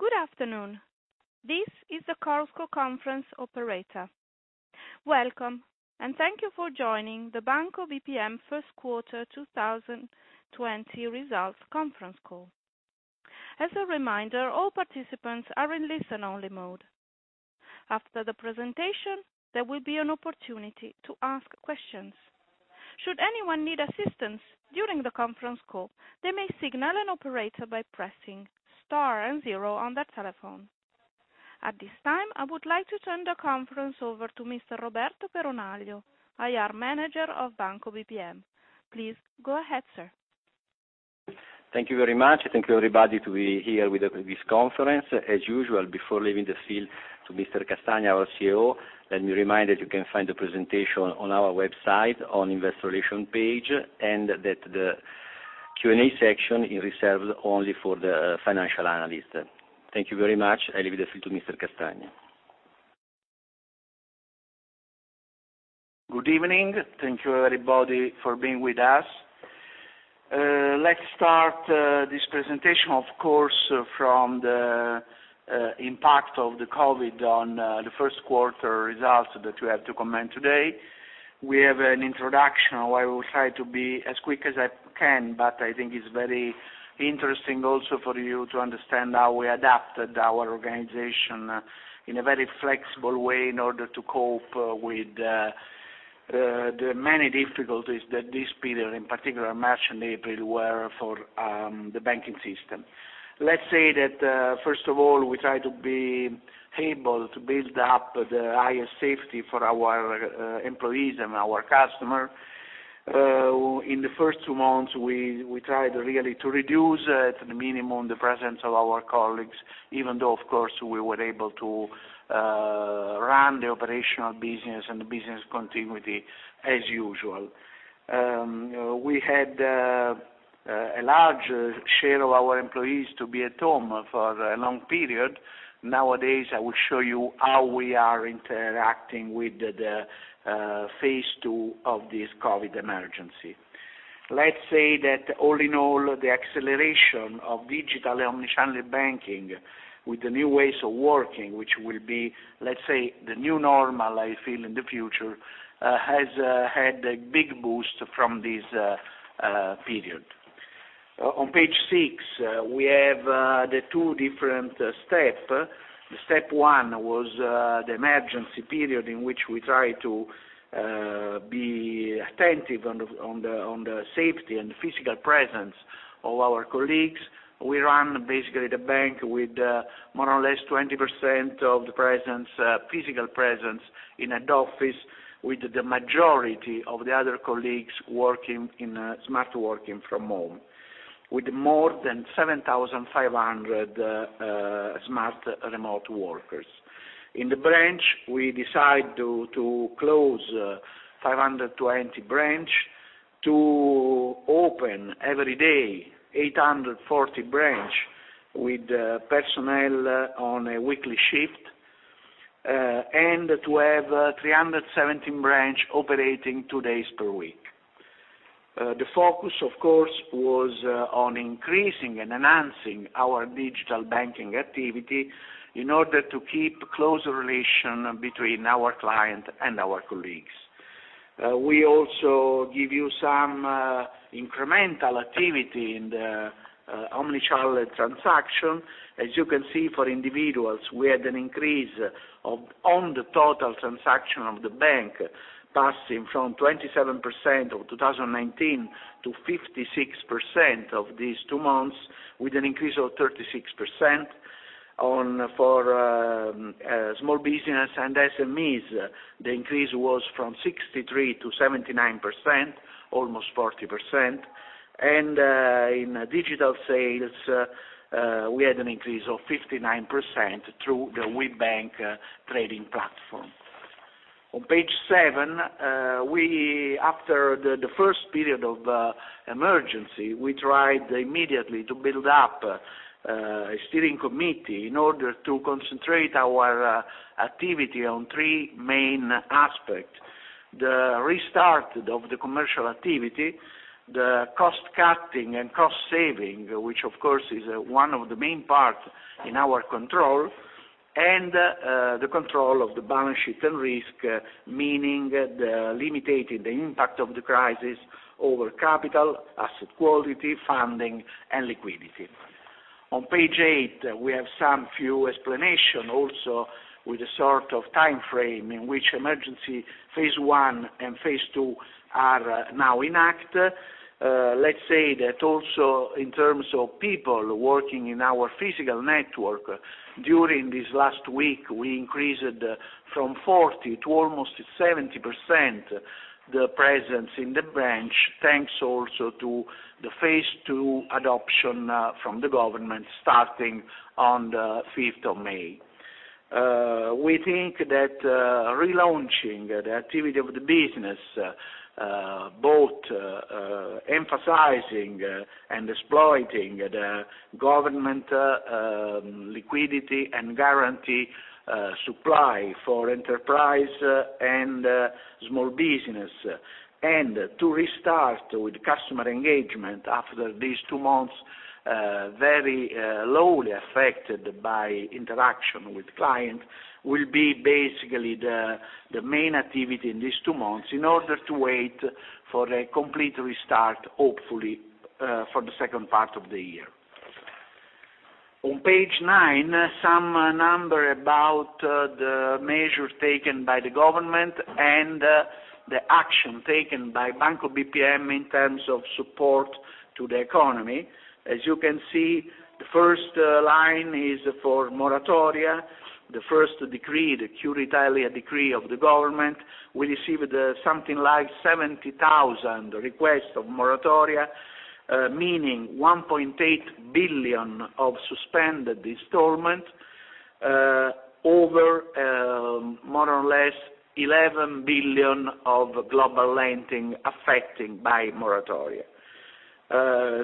Good afternoon. This is the Chorus Call Conference Operator. Welcome, thank you for joining the Banco BPM First Quarter 2020 Results Conference Call. As a reminder, all participants are in listen-only mode. After the presentation, there will be an opportunity to ask questions. Should anyone need assistance during the conference call, they may signal an operator by pressing Star and Zero on their telephone. At this time, I would like to turn the conference over to Mr. Roberto Peronaglio, IR Manager of Banco BPM. Please go ahead, sir. Thank you very much. Thank you, everybody, to be here with this conference. As usual, before leaving the field to Mr. Castagna, our CEO, let me remind that you can find the presentation on our website on investor relations page, and that the Q&A section is reserved only for the financial analysts. Thank you very much. I leave the floor to Mr. Castagna. Good evening. Thank you, everybody, for being with us. Let's start this presentation, of course, from the impact of the COVID on the first quarter results that we have to comment today. We have an introduction where I will try to be as quick as I can, but I think it's very interesting also for you to understand how we adapted our organization in a very flexible way in order to cope with the many difficulties that this period, in particular March and April, were for the banking system. Let's say that, first of all, we try to be able to build up the highest safety for our employees and our customer. In the first two months, we tried really to reduce to the minimum the presence of our colleagues, even though, of course, we were able to run the operational business and the business continuity as usual. We had a large share of our employees to be at home for a long period. Nowadays, I will show you how we are interacting with the phase II of this COVID emergency. Let's say that all in all, the acceleration of digital omnichannel banking with the new ways of working, which will be, let's say, the new normal, I feel, in the future, has had a big boost from this period. On page six, we have the two different steps. Step ONE was the emergency period in which we try to be attentive on the safety and physical presence of our colleagues. We run basically the bank with more or less 20% of the physical presence in an office with the majority of the other colleagues smart working from home, with more than 7,500 smart remote workers. In the branch, we decide to close 520 branch, to open every day 840 branch with personnel on a weekly shift, and to have 317 branch operating two days per week. The focus, of course, was on increasing and enhancing our digital banking activity in order to keep close relation between our client and our colleagues. We also give you some incremental activity in the omnichannel transaction. As you can see for individuals, we had an increase on the total transaction of the bank, passing from 27% of 2019 to 56% of these two months, with an increase of 36%. For small business and SMEs, the increase was from 63% to 79%, almost 40%. In digital sales, we had an increase of 59% through the WeBank trading platform. On page seven, after the first period of emergency, we tried immediately to build up a steering committee in order to concentrate our activity on three main aspects. The restart of the commercial activity, the cost-cutting and cost-saving, which of course, is one of the main parts in our control, and the control of the balance sheet and risk, meaning the limiting the impact of the crisis over capital, asset quality, funding, and liquidity. On page eight, we have some few explanation also with a sort of timeframe in which emergency phase I and phase II are now in act. Let's say that also in terms of people working in our physical network, during this last week, we increased from 40% to almost 70% the presence in the branch, thanks also to the phase II adoption from the government starting on the 5th of May. We think that relaunching the activity of the business, both emphasizing and exploiting the government liquidity and guarantee supply for enterprise and small business, and to restart with customer engagement after these two months Very lowly affected by interaction with clients will be basically the main activity in these two months in order to wait for a complete restart, hopefully for the second part of the year. On page nine, some numbers about the measures taken by the government and the action taken by Banco BPM in terms of support to the economy. As you can see, the first line is for moratoria. The first decree, the Cura Italia decree of the government, we received something like 70,000 requests of moratoria, meaning 1.8 billion of suspended installments over more or less 11 billion of global lending affected by moratoria.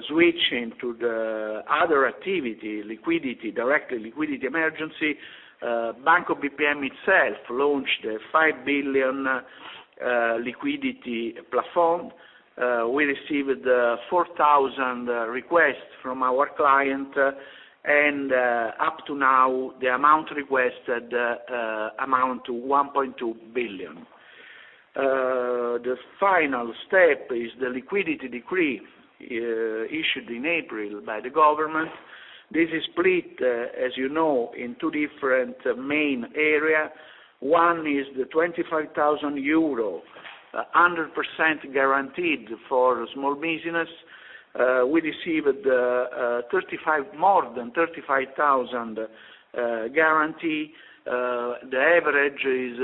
Switching to the other activity, liquidity, direct liquidity emergency. Banco BPM itself launched a 5 billion liquidity platform. We received 4,000 requests from our clients. Up to now, the amount requested amount to 1.2 billion. The final step is the liquidity decree issued in April by the government. This is split, as you know, in two different main areas. One is the EUR 25,000, 100% guaranteed for small business. We received more than 35,000 guarantees. The average is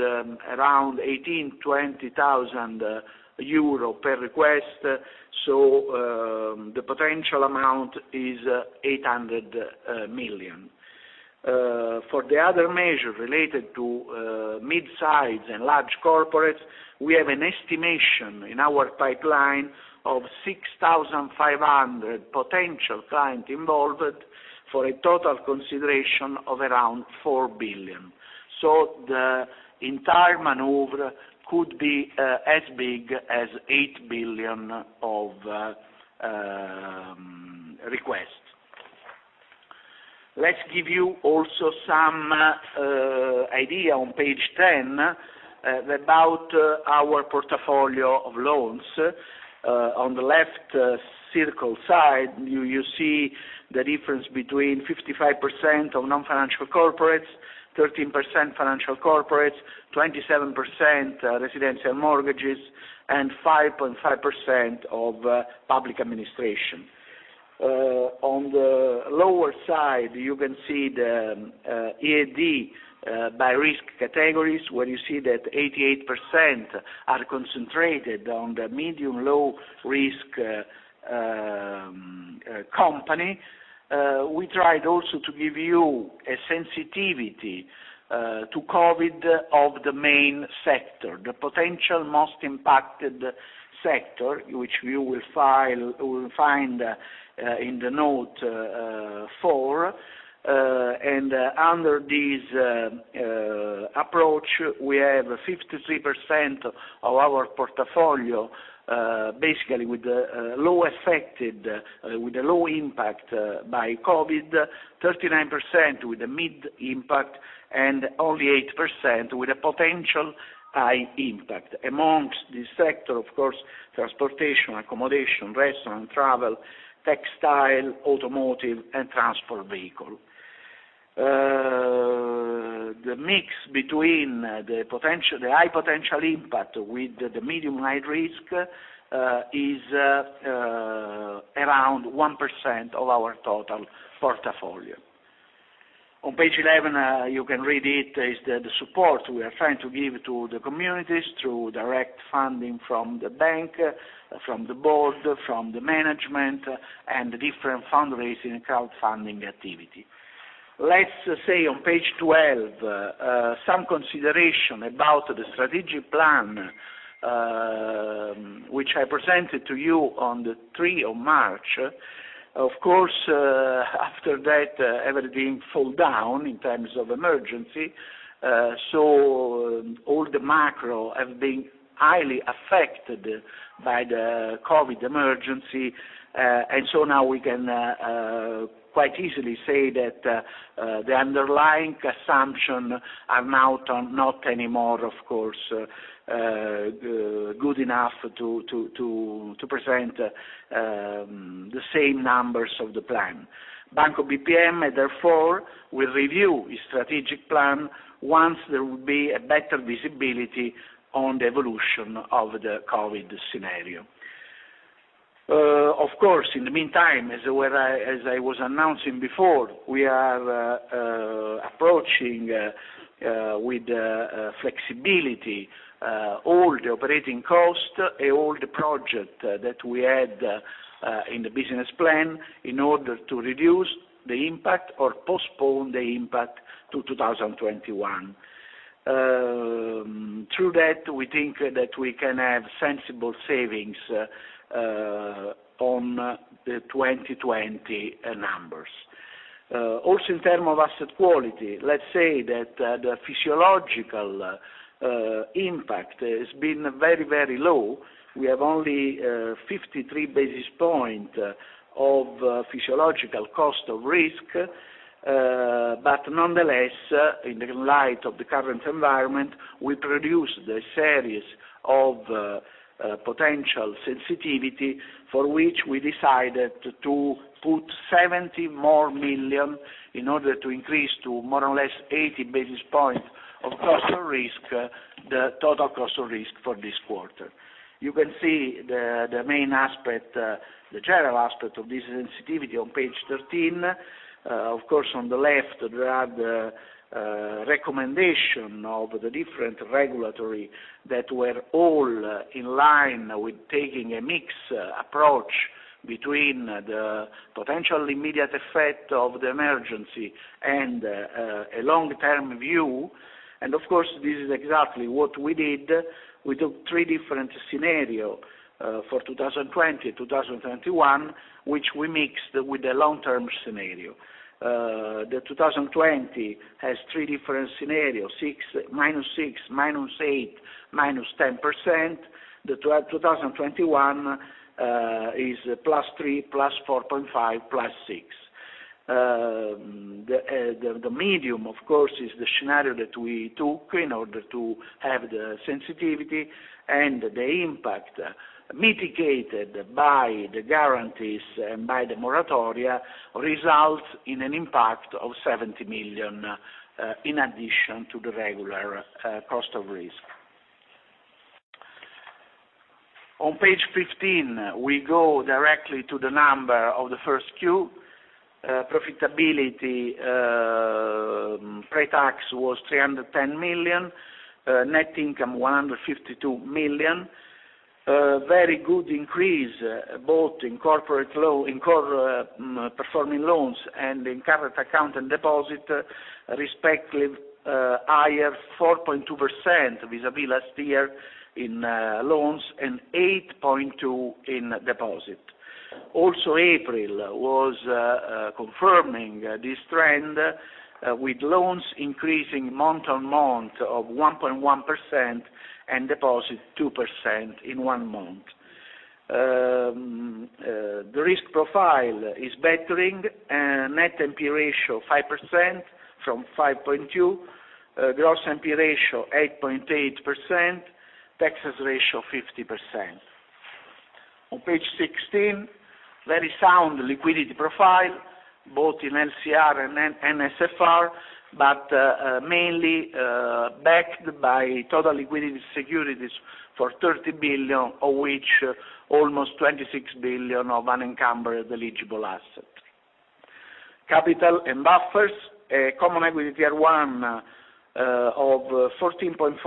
around 18,000-20,000 euro per request. The potential amount is 800 million. For the other measure related to midsize and large corporates, we have an estimation in our pipeline of 6,500 potential clients involved for a total consideration of around 4 billion. The entire maneuver could be as big as 8 billion of requests. Let's give you also some idea on page 10 about our portfolio of loans. On the left circle side, you see the difference between 55% of non-financial corporates, 13% financial corporates, 27% residential mortgages, and 5.5% of public administration. On the lower side, you can see the EAD by risk categories, where you see that 88% are concentrated on the medium, low risk companies. We tried also to give you a sensitivity to COVID of the main sector, the potential most impacted sector, which you will find in the note four. Under this approach, we have 53% of our portfolio basically with low affected, with a low impact by COVID, 39% with a mid impact, and only 8% with a potential high impact. Among this sector, of course, transportation, accommodation, restaurant, travel, textile, automotive, and transport vehicle. The mix between the high potential impact with the medium-high risk is around 1% of our total portfolio. On page 11, you can read it, is the support we are trying to give to the communities through direct funding from the bank, from the board, from the management, and different fundraising, crowdfunding activity. On page 12, some consideration about the strategic plan, which I presented to you on the three of March. After that, everything fell down in terms of emergency, so all the macro have been highly affected by the COVID emergency. Now we can quite easily say that the underlying assumptions are now not anymore, of course, good enough to present the same numbers of the plan. Banco BPM, therefore, will review its strategic plan once there will be a better visibility on the evolution of the COVID scenario. In the meantime, as I was announcing before, we are approaching with flexibility all the operating costs, all the project that we had in the business plan in order to reduce the impact or postpone the impact to 2021. Through that, we think that we can have sensible savings on the 2020 numbers. In terms of asset quality, let's say that the physiological impact has been very low. We have only 53 basis point of physiological cost of risk. Nonetheless, in the light of the current environment, we produced a series of potential sensitivity for which we decided to put 70 more million in order to increase to more or less 80 basis points of cost of risk, the total cost of risk for this quarter. You can see the general aspect of this sensitivity on page 13. On the left, there are the recommendation of the different regulatory that were all in line with taking a mixed approach between the potential immediate effect of the emergency and a long-term view. Of course, this is exactly what we did. We took three different scenario for 2020, 2021, which we mixed with the long-term scenario. The 2020 has three different scenarios, -6%, -8%, -10%. The 2021 is +3%, +4.5%, +6%. The medium, of course, is the scenario that we took in order to have the sensitivity, and the impact mitigated by the guarantees and by the moratoria results in an impact of 70 million, in addition to the regular cost of risk. On page 15, we go directly to the number of the first Q. Profitability, pre-tax was 310 million, net income 152 million. Very good increase, both in core performing loans and in current account and deposit, respectively higher 4.2% vis-à-vis last year in loans and 8.2% in deposit. Also April was confirming this trend, with loans increasing month-on-month of 1.1% and deposit 2% in one month. The risk profile is bettering. Net NPE ratio 5% from 5.2%. Gross NPE ratio 8.8%. Taxes ratio 50%. On page 16, very sound liquidity profile, both in LCR and NSFR, but mainly backed by total liquidity securities for 30 billion of which almost 26 billion of unencumbered eligible asset. Capital and buffers, Common Equity Tier 1 of 14.4%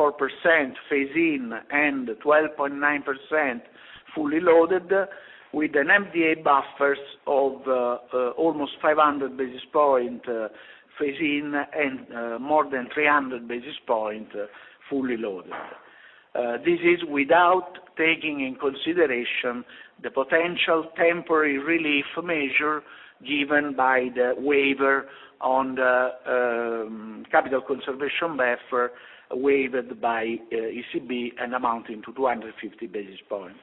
phase-in and 12.9% fully loaded with an MDA buffers of almost 500 basis points phase-in and more than 300 basis points fully loaded. This is without taking in consideration the potential temporary relief measure given by the waiver on the capital conservation buffer waived by ECB and amounting to 250 basis point.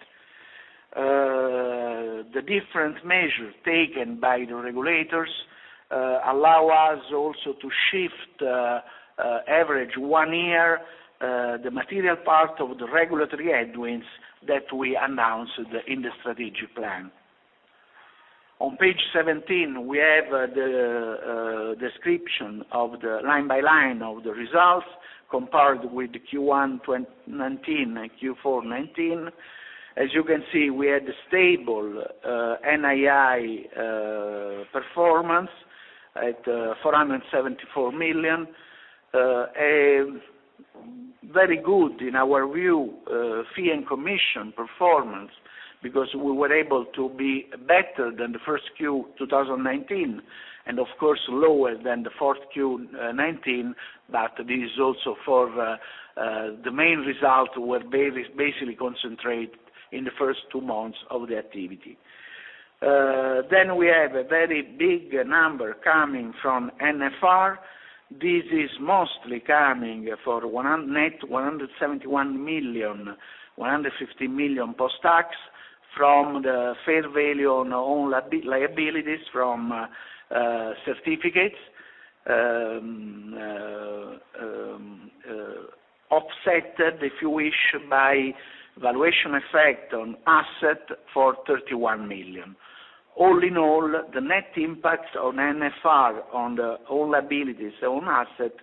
The different measures taken by the regulators allow us also to shift average one year the material part of the regulatory headwinds that we announced in the strategic plan. On page 17, we have the description line by line of the results compared with Q1 2019 and Q4 2019. As you can see, we had stable NII performance at EUR 474 million. Very good, in our view, fee and commission performance, because we were able to be better than the first Q 2019, and of course lower than the fourth Q 2019, but the main result will basically concentrate in the first two months of the activity. We have a very big number coming from NFR. This is mostly coming for net 171 million, 150 million post-tax from the fair value on all liabilities from certificates, offset by valuation effect on asset for 31 million. All in all, the net impact on NFR on the all liabilities on asset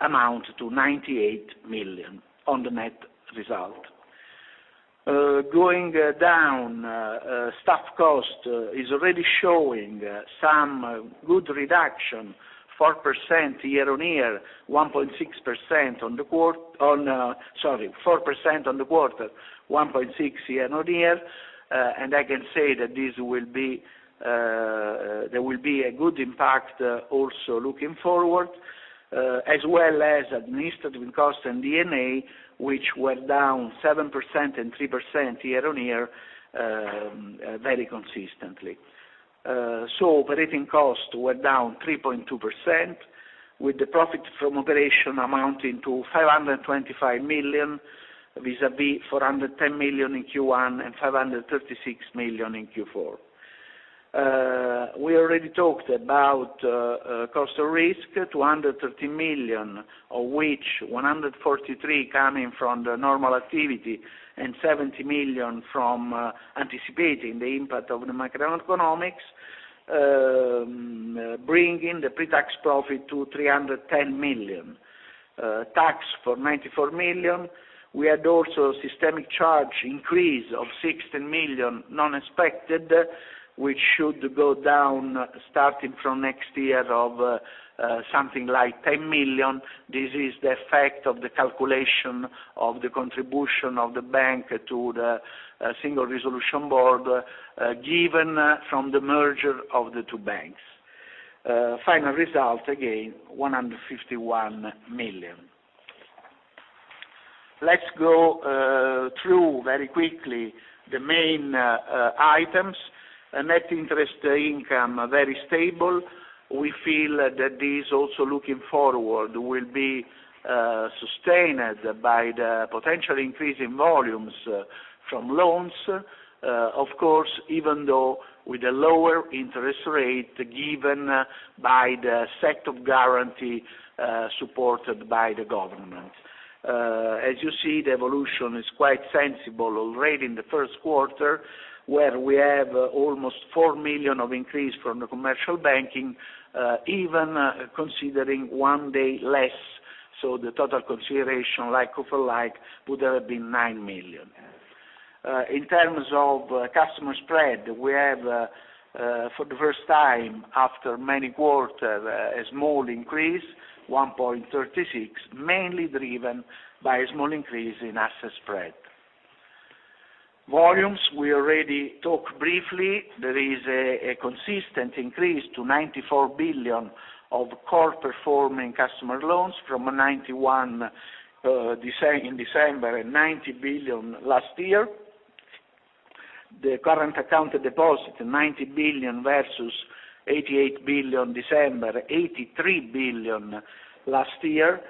amount to 98 million on the net result. Going down, staff cost is already showing some good reduction, 4% on the quarter, 1.6% year-on-year. I can say that there will be a good impact also looking forward. As well as administrative costs and D&A, which were down 7% and 3% year-on-year very consistently. Operating costs were down 3.2%, with the profit from operation amounting to 525 million vis-à-vis 410 million in Q1 and 536 million in Q4. We already talked about cost of risk, 230 million, of which 143 coming from the normal activity and 70 million from anticipating the impact of the macroeconomics, bringing the pre-tax profit to 310 million. Tax for 94 million. We had also systemic charge increase of 16 million, non-expected, which should go down starting from next year of something like 10 million. This is the effect of the calculation of the contribution of the bank to the Single Resolution Board, given from the merger of the two banks. Final result, again, 151 million. Let's go through very quickly the main items. Net interest income, very stable. We feel that this also, looking forward, will be sustained by the potential increase in volumes from loans. Of course, even though with a lower interest rate given by the set of guarantee supported by the government. As you see, the evolution is quite sensible already in the first quarter, where we have almost 4 million of increase from the commercial banking, even considering one day less. The total consideration like-over-like would have been 9 million. In terms of customer spread, we have for the first time after many quarters, a small increase, 1.36, mainly driven by a small increase in asset spread. Volumes, we already talked briefly. There is a consistent increase to 94 billion of core performing customer loans from 91 in December and 90 billion last year. The current account deposit, 90 billion versus 88 billion December, 83 billion last year.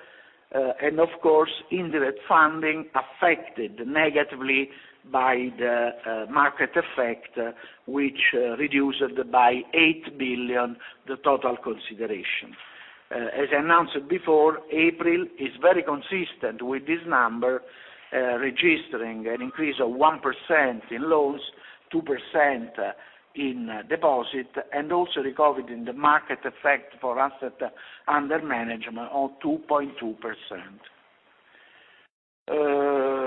Of course, indirect funding affected negatively by the market effect, which reduced by 8 billion the total consideration. As announced before, April is very consistent with this number, registering an increase of 1% in loans, 2% in deposits, and also recovered in the market effect for assets under management of 2.2%.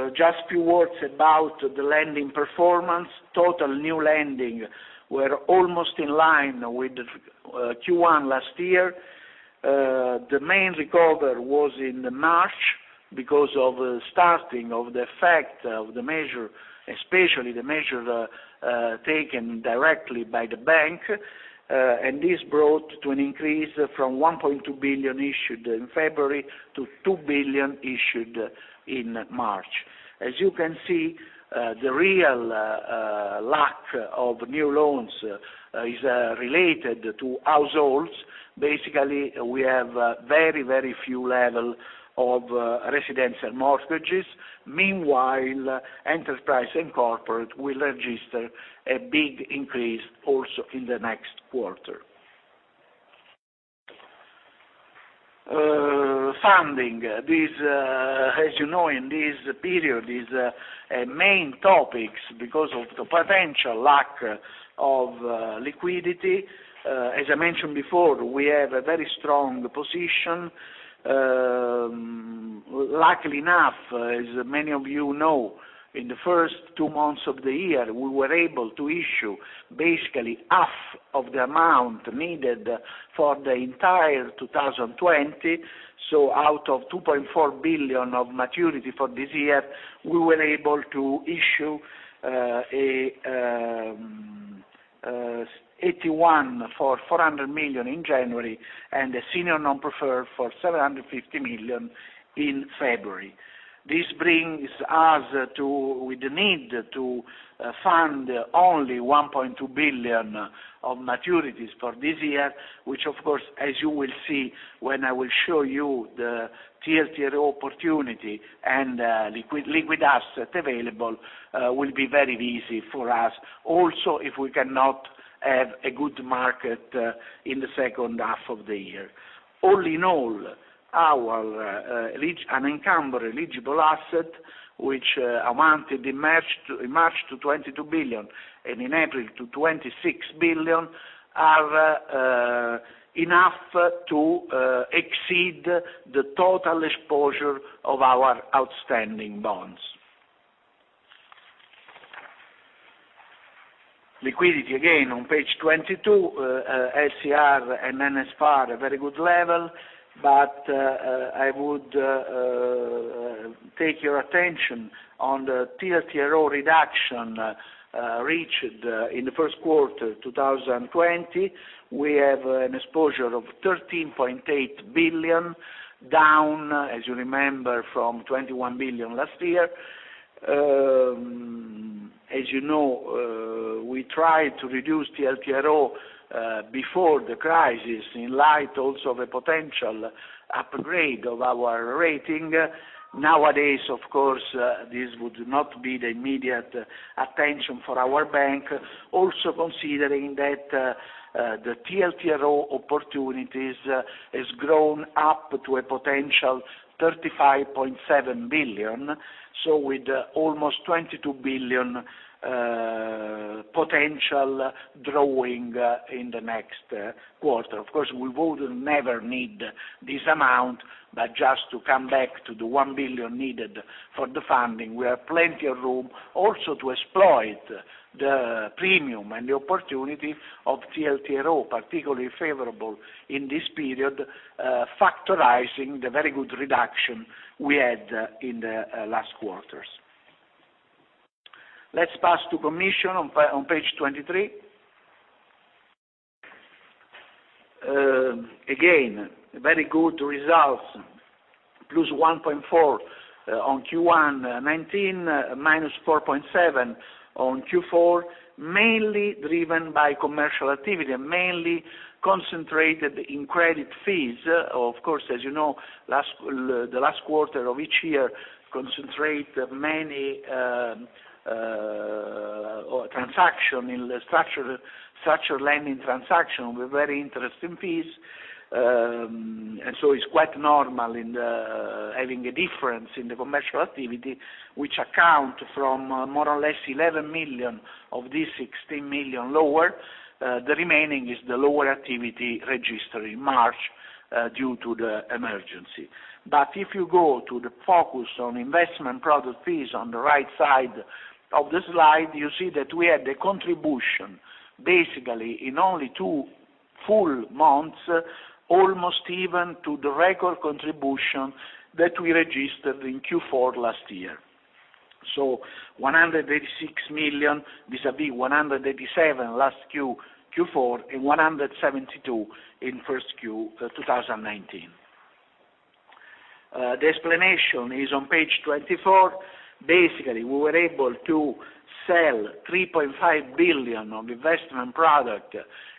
Just a few words about the lending performance. Total new lending was almost in line with Q1 last year. The main recovery was in March because of the starting of the effect of the measure, especially the measure taken directly by the bank. This brought to an increase from 1.2 billion issued in February to 2 billion issued in March. As you can see, the real lack of new loans is related to households. Basically, we have very, very low level of residential mortgages. Meanwhile, enterprise and corporate will register a big increase also in the next quarter. Funding. As you know, in this period is a main topic because of the potential lack of liquidity. As I mentioned before, we have a very strong position. Luckily enough, as many of you know, in the first two months of the year, we were able to issue basically half of the amount needed for the entire 2020. Out of 2.4 billion of maturity for this year, we were able to issue 81 for 400 million in January and a senior non-preferred for 750 million in February. This brings us to with the need to fund only 1.2 billion of maturities for this year, which of course, as you will see, when I will show you the TLTRO opportunity and liquid asset available, will be very easy for us also if we cannot have a good market in the second half of the year. All in all, our unencumbered eligible asset, which amounted in March to 22 billion and in April to 26 billion, are enough to exceed the total exposure of our outstanding bonds. Liquidity, again, on page 22. SCR and NSFR, very good level, but I would take your attention on the TLTRO reduction reached in the first quarter 2020. We have an exposure of 13.8 billion, down, as you remember, from 21 billion last year. As you know, we tried to reduce TLTRO before the crisis, in light also of a potential upgrade of our rating. Nowadays, of course, this would not be the immediate attention for our bank. Also considering that the TLTRO opportunities has grown up to a potential 35.7 billion, so with almost 22 billion potential drawing in the next quarter. Of course, we would never need this amount. Just to come back to the 1 billion needed for the funding, we have plenty of room also to exploit the premium and the opportunity of TLTRO, particularly favorable in this period, factorizing the very good reduction we had in the last quarters. Let's pass to commission on page 23. Again, very good results. +1.4% on Q1 2019, -4.7% on Q4, mainly driven by commercial activity and mainly concentrated in credit fees. As you know, the last quarter of each year concentrate many structured lending transaction with very interesting fees. It's quite normal in having a difference in the commercial activity, which account from more or less 11 million of these 16 million lower. The remaining is the lower activity registered in March, due to the emergency. If you go to the focus on investment product fees on the right side of the slide, you see that we had a contribution basically in only two full months, almost even to the record contribution that we registered in Q4 last year. 186 million vis-à-vis 187 last Q4 and 172 in 1Q 2019. The explanation is on page 24. Basically, we were able to sell 3.5 billion of investment product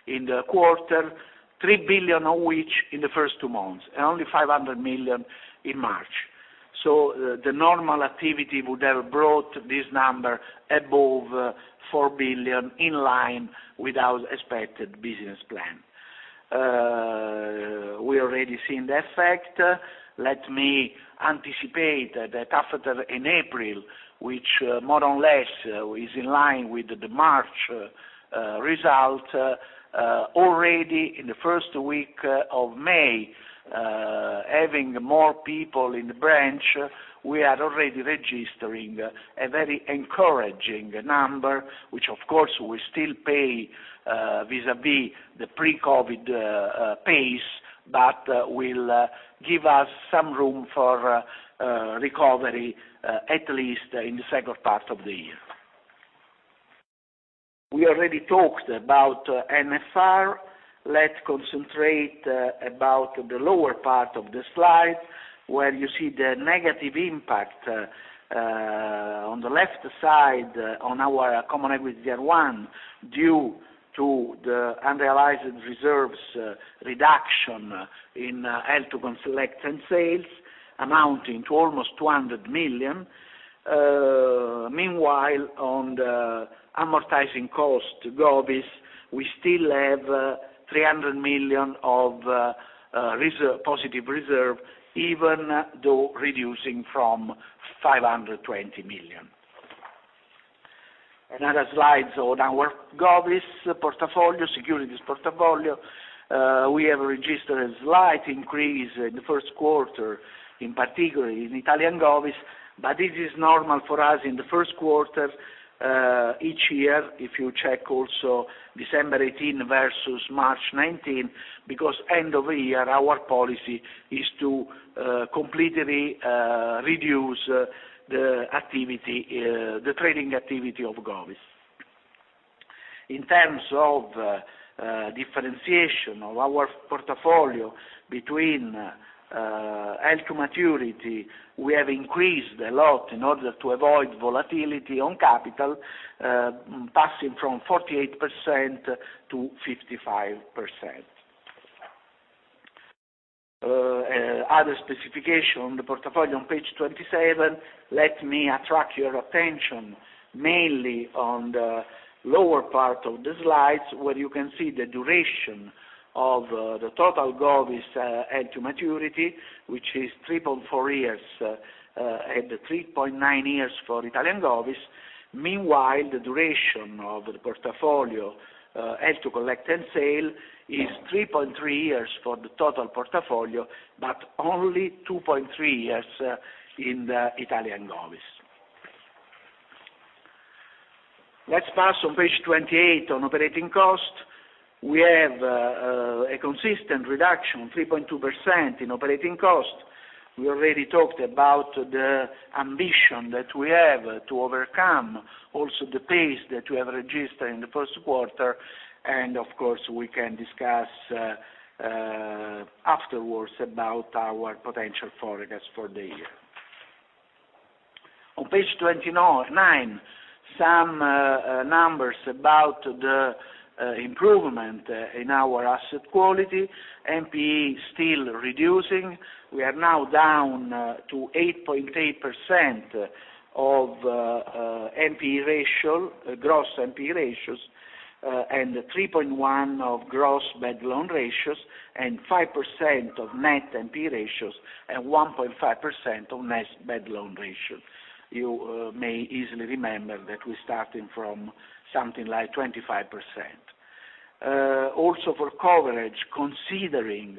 in the quarter, 3 billion of which in the first two months, and only 500 million in March. The normal activity would have brought this number above 4 billion, in line with our expected business plan. We already seen the effect. Let me anticipate that after in April, which more or less is in line with the March result, already in the first week of May, having more people in the branch, we are already registering a very encouraging number, which of course will still pay vis-à-vis the pre-COVID pace, but will give us some room for recovery, at least in the second part of the year. We already talked about MSR. Let's concentrate about the lower part of the slide, where you see the negative impact on the left side on our common equity Tier 1 due to the unrealized reserves reduction in held to collect and sales amounting to almost 200 million. Meanwhile, on the amortizing cost govies, we still have 300 million of positive reserve, even though reducing from 520 million. Another slide on our govies securities portfolio. We have registered a slight increase in the first quarter, in particular in Italian GOBs, but this is normal for us in the first quarter each year, if you check also December 2018 versus March 2019, because end of year, our policy is to completely reduce the trading activity of GOBs. In terms of differentiation of our portfolio between held to maturity, we have increased a lot in order to avoid volatility on capital, passing from 48% to 55%. Other specification on the portfolio on page 27. Let me attract your attention mainly on the lower part of the slides, where you can see the duration of the total GOBs held to maturity, which is 3.4 years and 3.9 years for Italian GOBs. Meanwhile, the duration of the portfolio held to collect and sale is 3.3 years for the total portfolio, but only 2.3 years in the Italian govies. Let's pass on page 28 on operating cost. We have a consistent reduction, 3.2%, in operating cost. We already talked about the ambition that we have to overcome also the pace that we have registered in the first quarter, and of course, we can discuss afterwards about our potential forecast for the year. On page 29, some numbers about the improvement in our asset quality, NPE still reducing. We are now down to 8.8% of NPE ratio, gross NPE ratios, and 3.1% of gross bad loan ratios, and 5% of net NPE ratios, and 1.5% of net bad loan ratio. You may easily remember that we started from something like 25%. Also for coverage, considering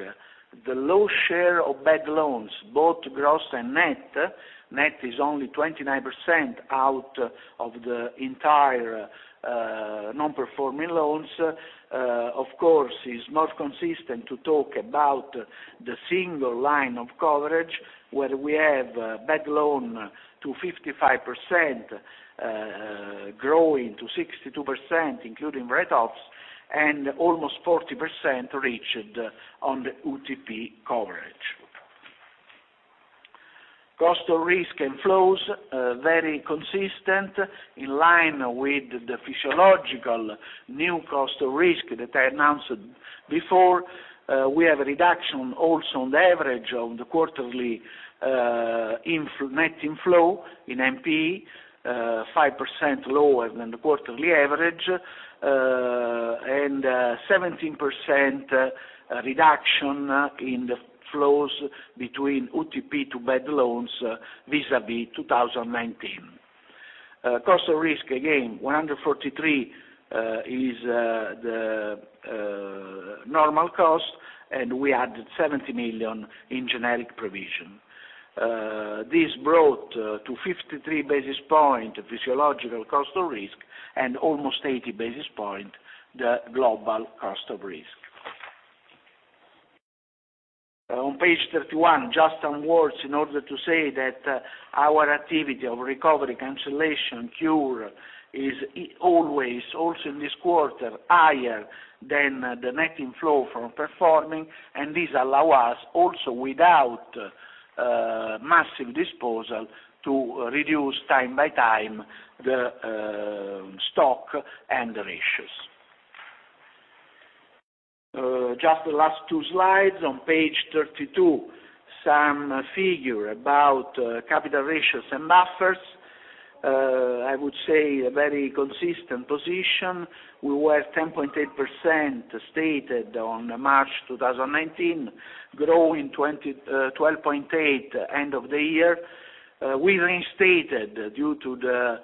the low share of bad loans, both gross and net is only 29% out of the entire non-performing loans. It is not consistent to talk about the single line of coverage, where we have bad loans to 55%, growing to 62%, including write-offs, and almost 40% reached on the UTP coverage. Cost of risk and flows, very consistent, in line with the physiological new cost of risk that I announced before. We have a reduction also on the average of the quarterly net inflow in NPE, 5% lower than the quarterly average, and 17% reduction in the flows between UTP to bad loans vis-à-vis 2019. Cost of risk, again, 143 is the normal cost, and we added 70 million in generic provision. This brought to 53 basis points physiological cost of risk and almost 80 basis points the global cost of risk. On page 31, just some words in order to say that our activity of recovery, cancellation, cure is always, also in this quarter, higher than the net inflow from performing, and this allow us also without massive disposal to reduce time by time the stock and the ratios. Just the last two slides. On page 32, some figure about capital ratios and buffers. I would say a very consistent position. We were 10.8% stated on March 2019, growing 12.8% end of the year. We reinstated, due to the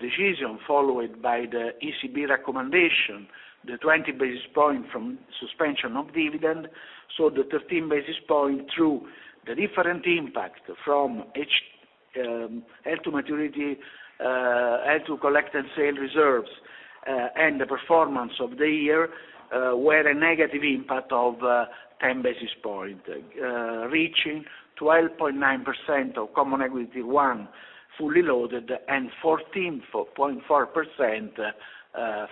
decision followed by the ECB recommendation, the 20 basis point from suspension of dividend. The 13 basis point through the different impact from H2 maturity, H2 collect and sale reserves, and the performance of the year, were a negative impact of 10 basis point, reaching 12.9% of Common Equity One fully loaded and 14.4%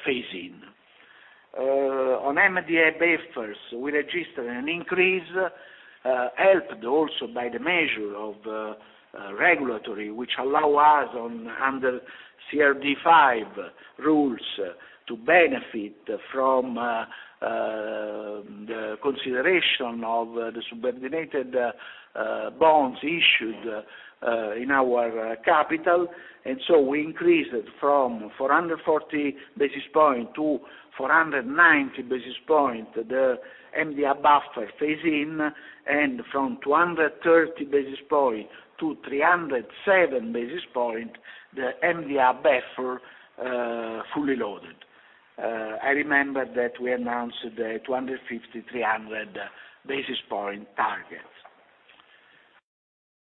phase-in. On MDA buffers, we registered an increase helped also by the measure of regulatory, which allow us under CRD V rules to benefit from the consideration of the subordinated bonds issued in our capital. We increased from 440 basis points to 490 basis points the MDA buffer phase-in, and from 230 basis points to 307 basis points the MDA buffer fully loaded. I remember that we announced the 250, 300 basis points target.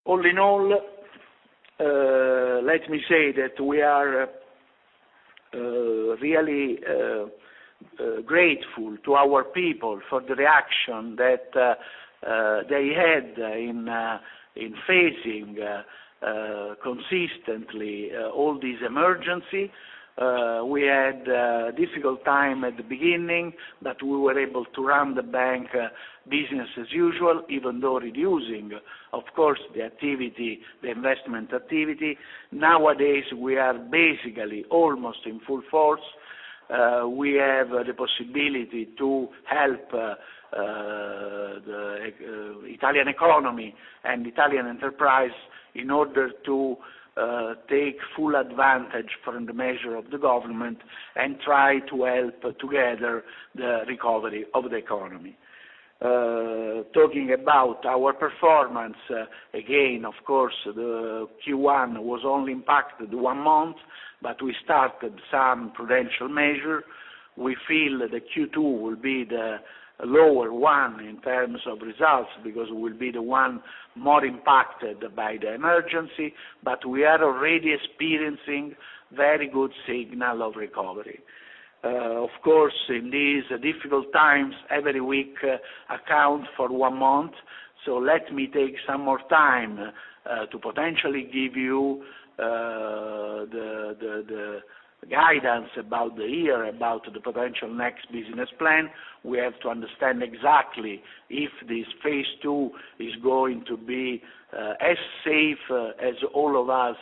All in all, let me say that we are really grateful to our people for the reaction that they had in facing consistently all these emergency. We had a difficult time at the beginning, we were able to run the bank business as usual, even though reducing, of course, the investment activity. Nowadays, we are basically almost in full force. We have the possibility to help the Italian economy and Italian enterprise in order to take full advantage from the measure of the government and try to help together the recovery of the economy. Talking about our performance, again, of course, the Q1 was only impacted one month. We started some prudential measure. We feel that the Q2 will be the lower one in terms of results, because it will be the one more impacted by the emergency. We are already experiencing very good signal of recovery. Of course, in these difficult times, every week accounts for one month. Let me take some more time to potentially give you the guidance about the year, about the potential next business plan. We have to understand exactly if this phase two is going to be as safe as all of us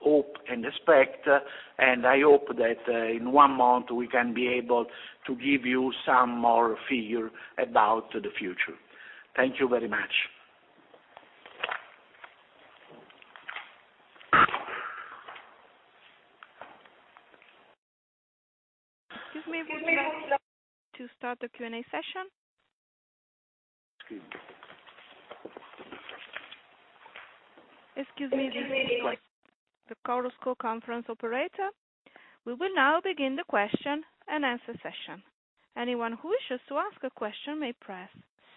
hope and expect. I hope that in one month, we can be able to give you some more figures about the future. Thank you very much. Excuse me, we would like to start the Q&A session. Excuse me. Excuse me, this is the Chorus Call conference operator. We will now begin the question-and-answer session. Anyone who wishes to ask a question may press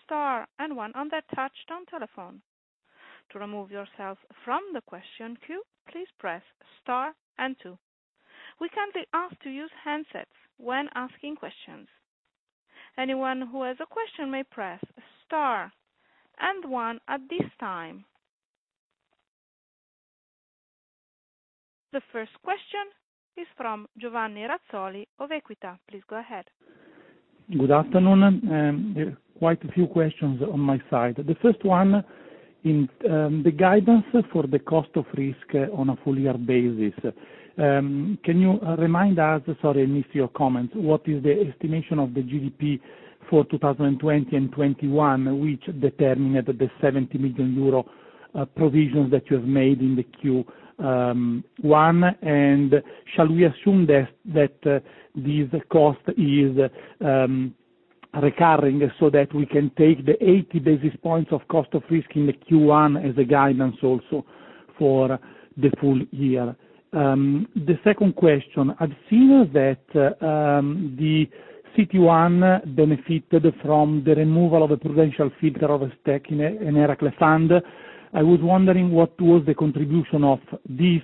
Star and One on their touch-tone telephone. To remove yourself from the question queue, please press Star and Two. We kindly ask to use handsets when asking questions. Anyone who has a question may press Star and One at this time. The first question is from Giovanni Razzoli of Equita. Please go ahead. Good afternoon. Quite a few questions on my side. The first one, the guidance for the cost of risk on a full-year basis. Can you remind us, sorry, I missed your comment, what is the estimation of the GDP for 2020 and 2021, which determined the 70 million euro provisions that you have made in the Q1, and shall we assume that this cost is recurring so that we can take the 80 basis points of cost of risk in the Q1 as a guidance also for the full year? The second question, I've seen that the CET1 benefited from the removal ofthe prudential filter of a stake in Eracle Fund. I was wondering what was the contribution of this,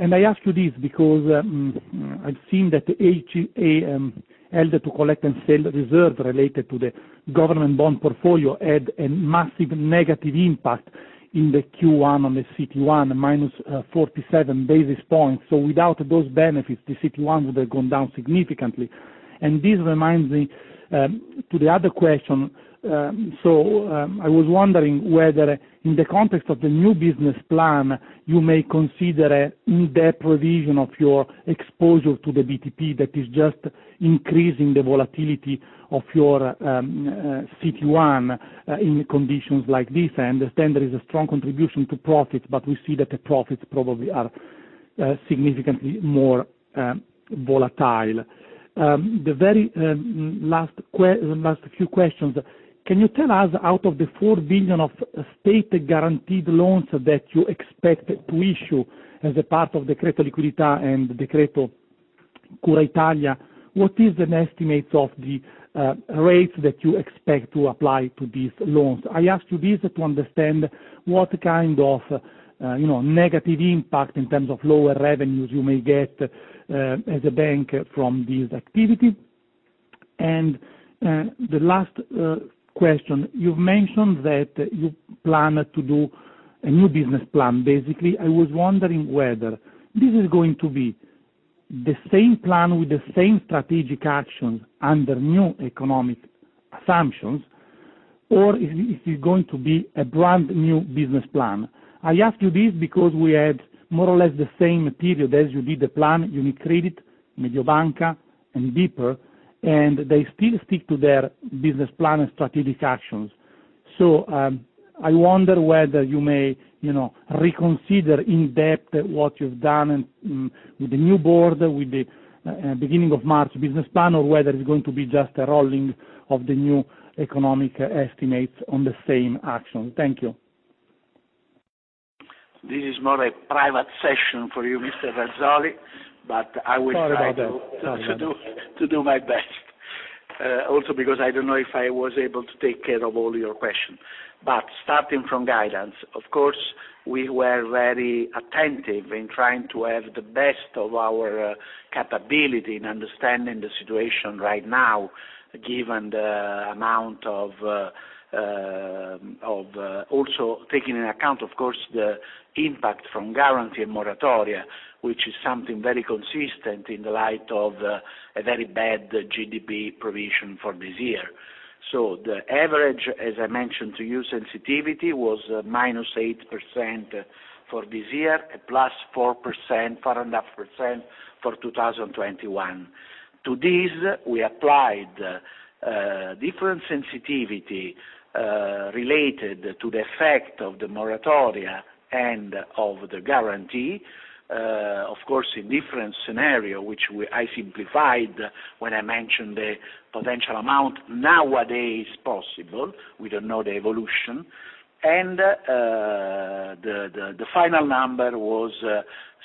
and I ask you this because, I've seen that HCA had to collect and sell the reserves related to the government bond portfolio and a massive negative impact in the Q1 on the CET1 minus 47 basis points, so without those benefits, the CET1 could come down significantly. And this reminds me to the other question. So I was wondering whether in the context of the new business plan, you may consider in-depth revision of your exposure to the BTP that is just increasing the volatility of your CET1 in conditions like this, and I understand there is a strong contribution to profit, but we see that the profits probably are significantly more volatile. The very last few questions, can you tell us, out of the 4 billion of state-guaranteed loans that you expect to issue as a part of the Decreto Liquidità and Decreto Cura Italia, what is the estimate of the rate that you expect to apply to these loans? I ask you this to understand what kind of negative impact in terms of lower revenue you may get as a bank from these activities. And the last question, you've mentioned that you plan to do a new business plan. Basically, I was wondering whether this is going to be the same plan with the same strategic actions under new economic assumptions, or is it going to be a brand new business plan? I ask you this because we had more or less the same period as you did the plan to do with Credito, Mediobanca, and BPER, and they stick to their business plan and strategic actions. So I wonder whether you may reconsider in depth what you've done and the new board with the beginning of March business plan, or whether it's going to be just a rolling of the new economic estimates on the same actions. Thank you. Sorry about that. Gotcha. This is not a private session for you, Mr Razzoli. But I will try to do my best. Because I don't know if I was able to take care of all your questions. Starting from guidance, of course, we were very attentive in trying to have the best of our capability in understanding the situation right now, also taking into account, of course, the impact from guarantee moratoria, which is something very consistent in the light of a very bad GDP provision for this year. The average, as I mentioned to you, sensitivity was -8% for this year, a +4.5% for 2021. To this, we applied different sensitivity related to the effect of the moratoria and of the guarantee. Of course, a different scenario, which I simplified when I mentioned the potential amount nowadays possible, we don't know the evolution, and the final number was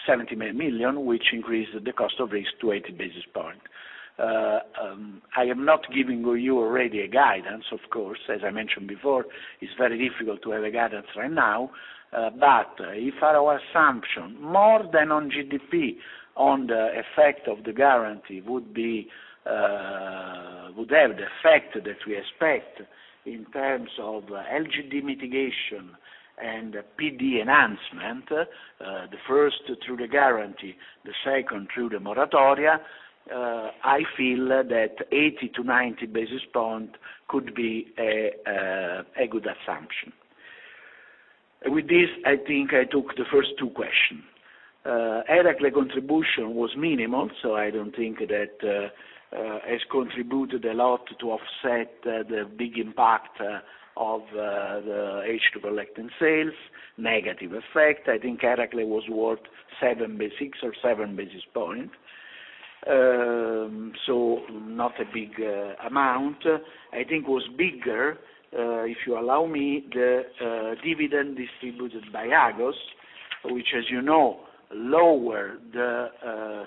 79 million, which increased the cost of risk to 80 basis points. I am not giving you already a guidance, of course, as I mentioned before, it's very difficult to have a guidance right now. If our assumption more than on GDP on the effect of the guarantee would have the effect that we expect in terms of LGD mitigation and PD enhancement, the first through the guarantee, the second through the moratoria, I feel that 80 to 90 basis points could be a good assumption. With this, I think I took the first two questions. Eracle contribution was minimal. I don't think that has contributed a lot to offset the big impact of the H2 collect and sales negative effect. I think Eracle was worth six or seven basis points. Not a big amount. I think was bigger, if you allow me, the dividend distributed by Agos, which as you know lower the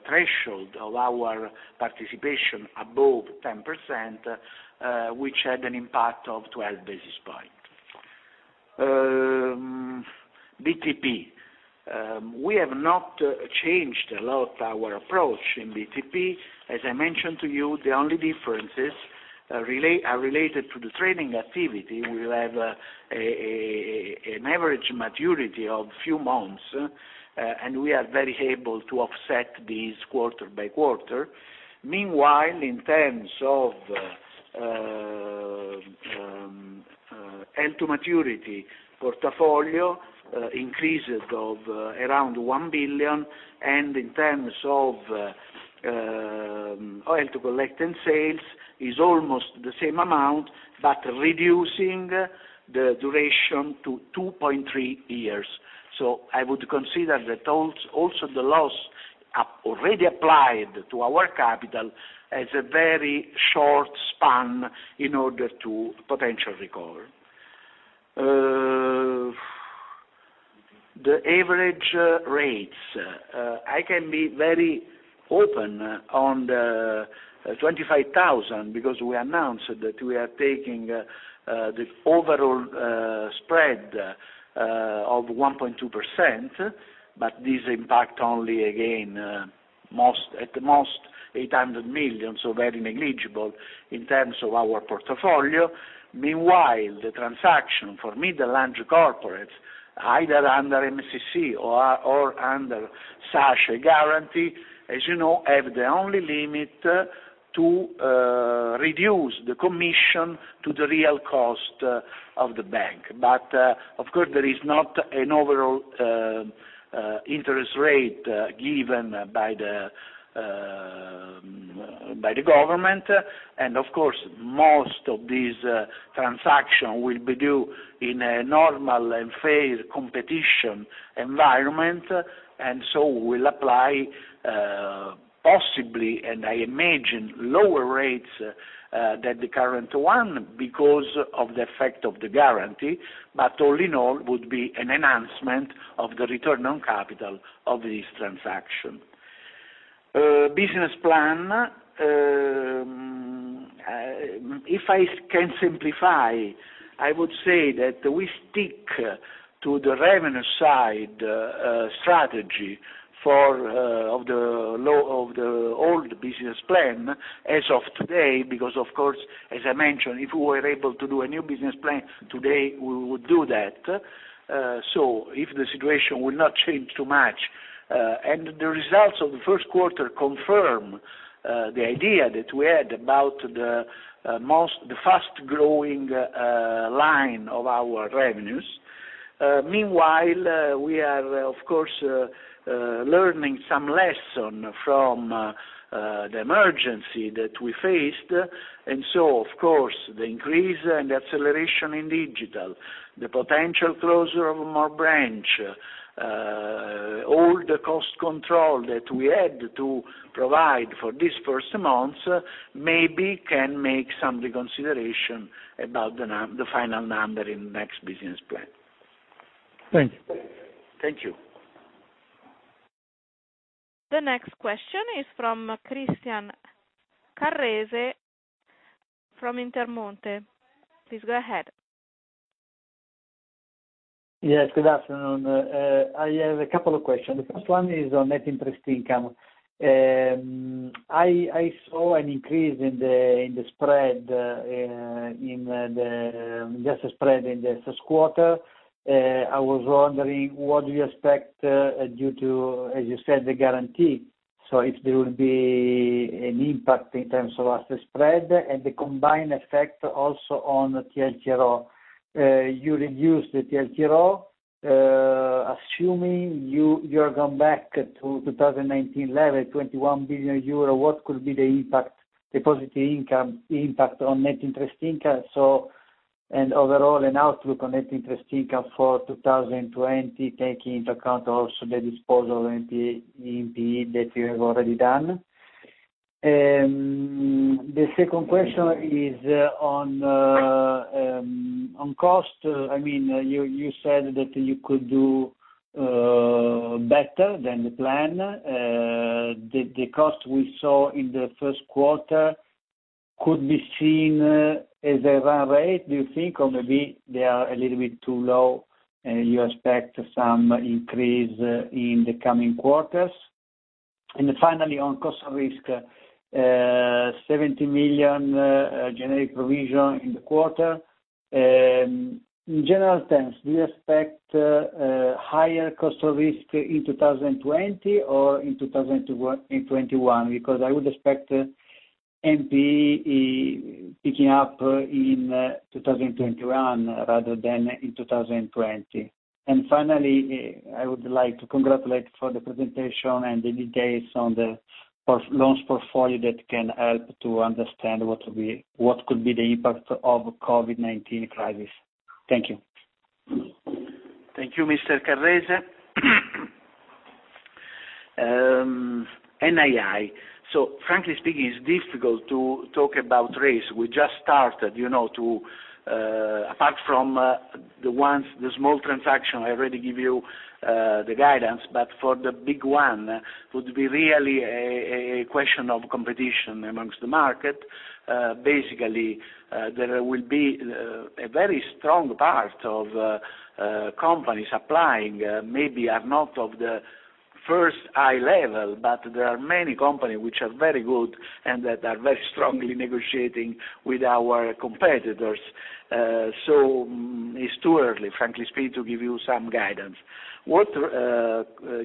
threshold of our participation above 10%, which had an impact of 12 basis point. BTP. We have not changed a lot our approach in BTP. As I mentioned to you, the only differences are related to the trading activity. We will have an average maturity of few months, and we are very able to offset this quarter by quarter. Meanwhile, in terms of L to maturity portfolio, increases of around 1 billion, and in terms of L to collect and sales is almost the same amount, but reducing the duration to 2.3 years. I would consider that also the loss already applied to our capital has a very short span in order to potentially recover. The average rates, I can be very open on the 25,000 because we announced that we are taking the overall spread of 1.2%. This impact only again, at the most 800 million, so very negligible in terms of our portfolio. Meanwhile, the transaction for middle large corporates, either under MCC or under SACE guarantee, as you know, have the only limit to reduce the commission to the real cost of the bank. Of course, there is not an overall interest rate given by the government. Of course, most of these transaction will be due in a normal and fair competition environment, so will apply possibly, and I imagine lower rates than the current one because of the effect of the guarantee. All in all would be an enhancement of the return on capital of this transaction. Business plan. If I can simplify, I would say that we stick to the revenue side strategy of the old business plan as of today, because of course, as I mentioned, if we were able to do a new business plan today, we would do that. If the situation will not change too much, and the results of the first quarter confirm the idea that we had about the fast-growing line of our revenues. Meanwhile, we are of course learning some lesson from the emergency that we faced, of course, the increase and acceleration in digital, the potential closure of more branch, all the cost control that we had to provide for this first month, maybe can make some reconsideration about the final number in next business plan. Thank you. Thank you. The next question is from Christian Carrese from Intermonte. Please go ahead. Yes, good afternoon. I have a couple of questions. The first one is on net interest income. I saw an increase in the spread in the first quarter. I was wondering, what do you expect due to, as you said, the guarantee? If there will be an impact in terms of asset spread and the combined effect also on TLTRO. You reduced the TLTRO. Assuming you are going back to 2019 level, 21 billion euro, what could be the impact, the positive income impact on net interest income? Overall an outlook on net interest income for 2020, taking into account also the disposal of NPE that you have already done. The second question is on cost. You said that you could do better than the plan. The cost we saw in the first quarter could be seen as a run rate, do you think? Maybe they are a little bit too low, and you expect some increase in the coming quarters? Finally, on cost of risk, 70 million generic provision in the quarter. In general terms, do you expect a higher cost of risk in 2020 or in 2021? I would expect NPE picking up in 2021 rather than in 2020. Finally, I would like to congratulate for the presentation and the details on the loans portfolio that can help to understand what could be the impact of COVID-19 crisis. Thank you. Thank you, Mr. Carrese. NII. Frankly speaking, it's difficult to talk about rates. We just started. Apart from the small transaction, I already give you the guidance. For the big one, it would be really a question of competition amongst the market. Basically, there will be a very strong part of companies applying, maybe are not of the first high level, but there are many companies which are very good and that are very strongly negotiating with our competitors. It's too early, frankly speaking, to give you some guidance. What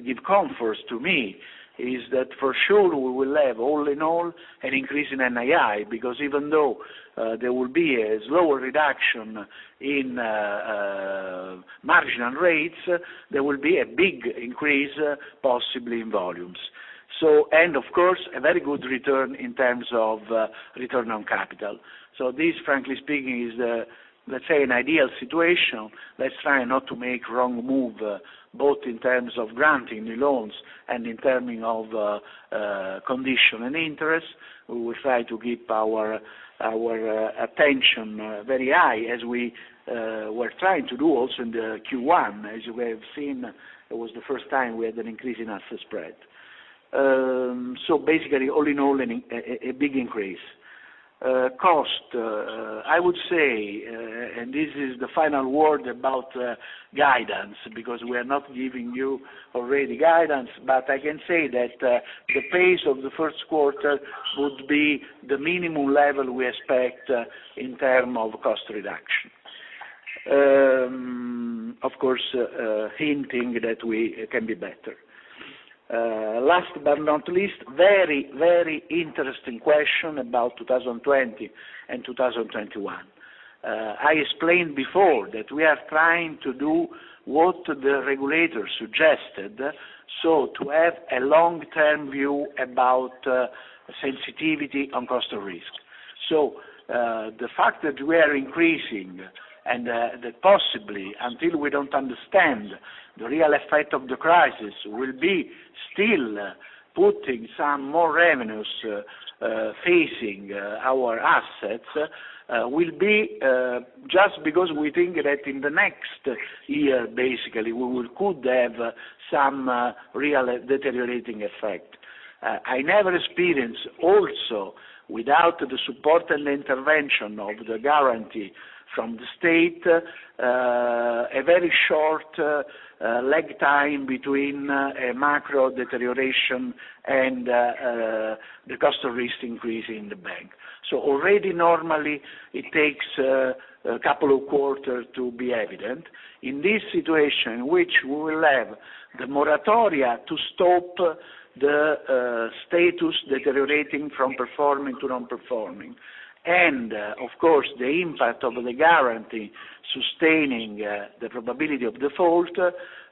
give comfort to me is that for sure, we will have all in all, an increase in NII, because even though there will be a slower reduction in marginal rates, there will be a big increase, possibly in volumes. Of course, a very good return in terms of return on capital. This, frankly speaking, is let's say, an ideal situation. Let's try not to make wrong move, both in terms of granting the loans and in term of condition and interest. We will try to keep our attention very high, as we were trying to do also in the Q1. As you may have seen, it was the first time we had an increase in asset spread. Basically, all in all, a big increase. Cost, I would say, and this is the final word about guidance, because we are not giving you already guidance, but I can say that the pace of the first quarter would be the minimum level we expect in term of cost reduction. Of course, hinting that we can be better. Last but not least, very interesting question about 2020 and 2021. I explained before that we are trying to do what the regulators suggested, so to have a long-term view about sensitivity on cost of risk. The fact that we are increasing, and that possibly, until we don't understand the real effect of the crisis, will be still putting some more provisions, facing our assets, will be just because we think that in the next year, basically, we could have some real deteriorating effect. I never experience also, without the support and intervention of the guarantee from the State, a very short lag time between a macro deterioration and the cost of risk increase in the bank. Already normally, it takes a couple of quarters to be evident. In this situation, which we will have the moratoria to stop the status deteriorating from performing to non-performing. Of course, the impact of the guarantee sustaining the probability of default,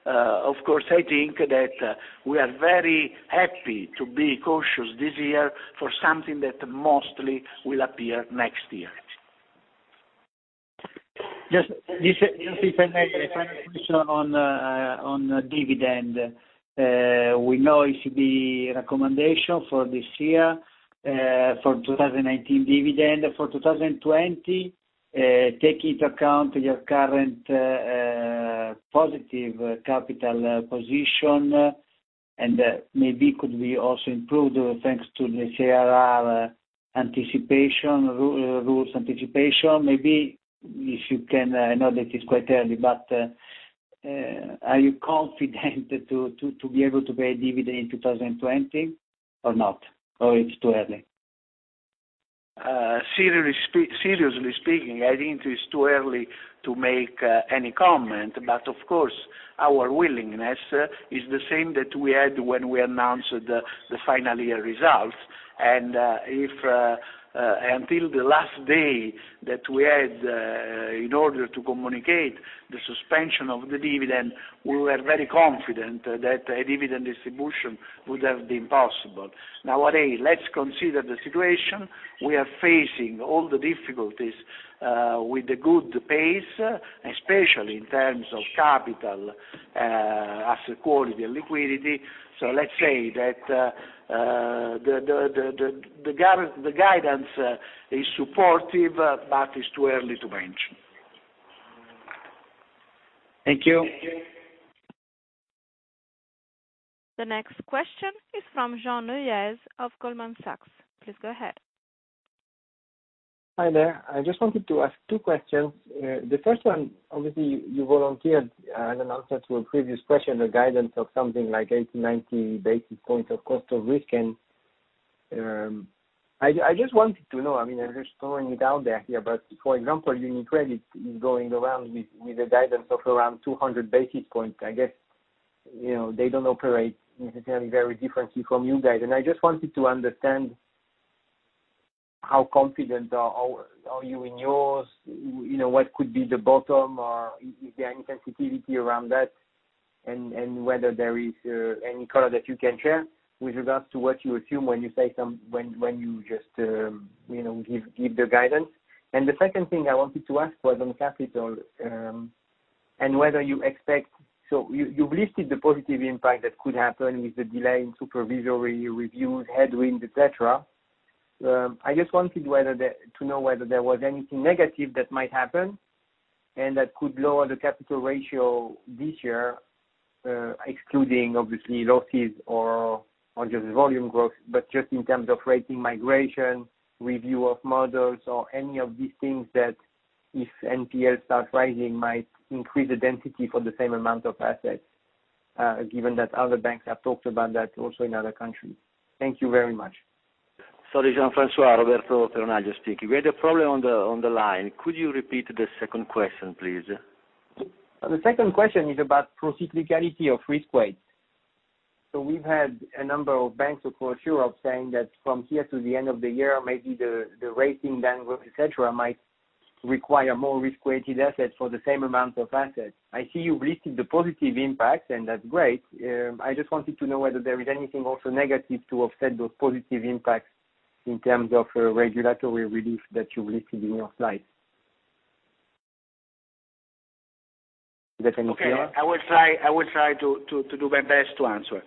of course, I think that we are very happy to be cautious this year for something that mostly will appear next year. Just different question on dividend. We know it should be recommendation for this year, for 2019 dividend. For 2020, take into account your current positive capital position, and maybe could be also improved, thanks to the CRR rules anticipation. I know that it's quite early. Are you confident to be able to pay a dividend in 2020 or not? It's too early? Seriously speaking, I think it is too early to make any comment, but of course, our willingness is the same that we had when we announced the final year results. Until the last day that we had in order to communicate the suspension of the dividend, we were very confident that a dividend distribution would have been possible. Nowadays, let's consider the situation. We are facing all the difficulties with the good pace, especially in terms of capital, asset quality, and liquidity. Let's say that the guidance is supportive, but it's too early to mention. Thank you. The next question is from Jean Neuez of Goldman Sachs. Please go ahead. Hi there. I just wanted to ask two questions. The first one, obviously, you volunteered an answer to a previous question, the guidance of something like 80, 90 basis points of cost of risk. I just wanted to know, I mean, there's so many out there here, but for example, UniCredit is going around with a guidance of around 200 basis points. I guess, they don't operate necessarily very differently from you guys. I just wanted to understand how confident are you in yours? What could be the bottom or is there any sensitivity around that? Whether there is any color that you can share with regards to what you assume when you just give the guidance. The second thing I wanted to ask was on capital, and whether you expect. You've listed the positive impact that could happen with the delay in supervisory reviews, headwinds, et cetera. I just wanted to know whether there was anything negative that might happen and that could lower the capital ratio this year, excluding obviously losses or just volume growth, but just in terms of rating migration, review of models or any of these things that if NPL starts rising, might increase the density for the same amount of assets, given that other banks have talked about that also in other countries. Thank you very much. Sorry, Jean-Francois, Roberto Peronaglio speaking. We had a problem on the line. Could you repeat the second question, please? The second question is about procyclicality of risk weights. We've had a number of banks across Europe saying that from here to the end of the year, maybe the rating downgrade, et cetera, might require more risk-weighted assets for the same amount of assets. I see you've listed the positive impacts, and that's great. I just wanted to know whether there is anything also negative to offset those positive impacts in terms of regulatory relief that you've listed in your slides. Is that clear? Okay. I will try to do my best to answer.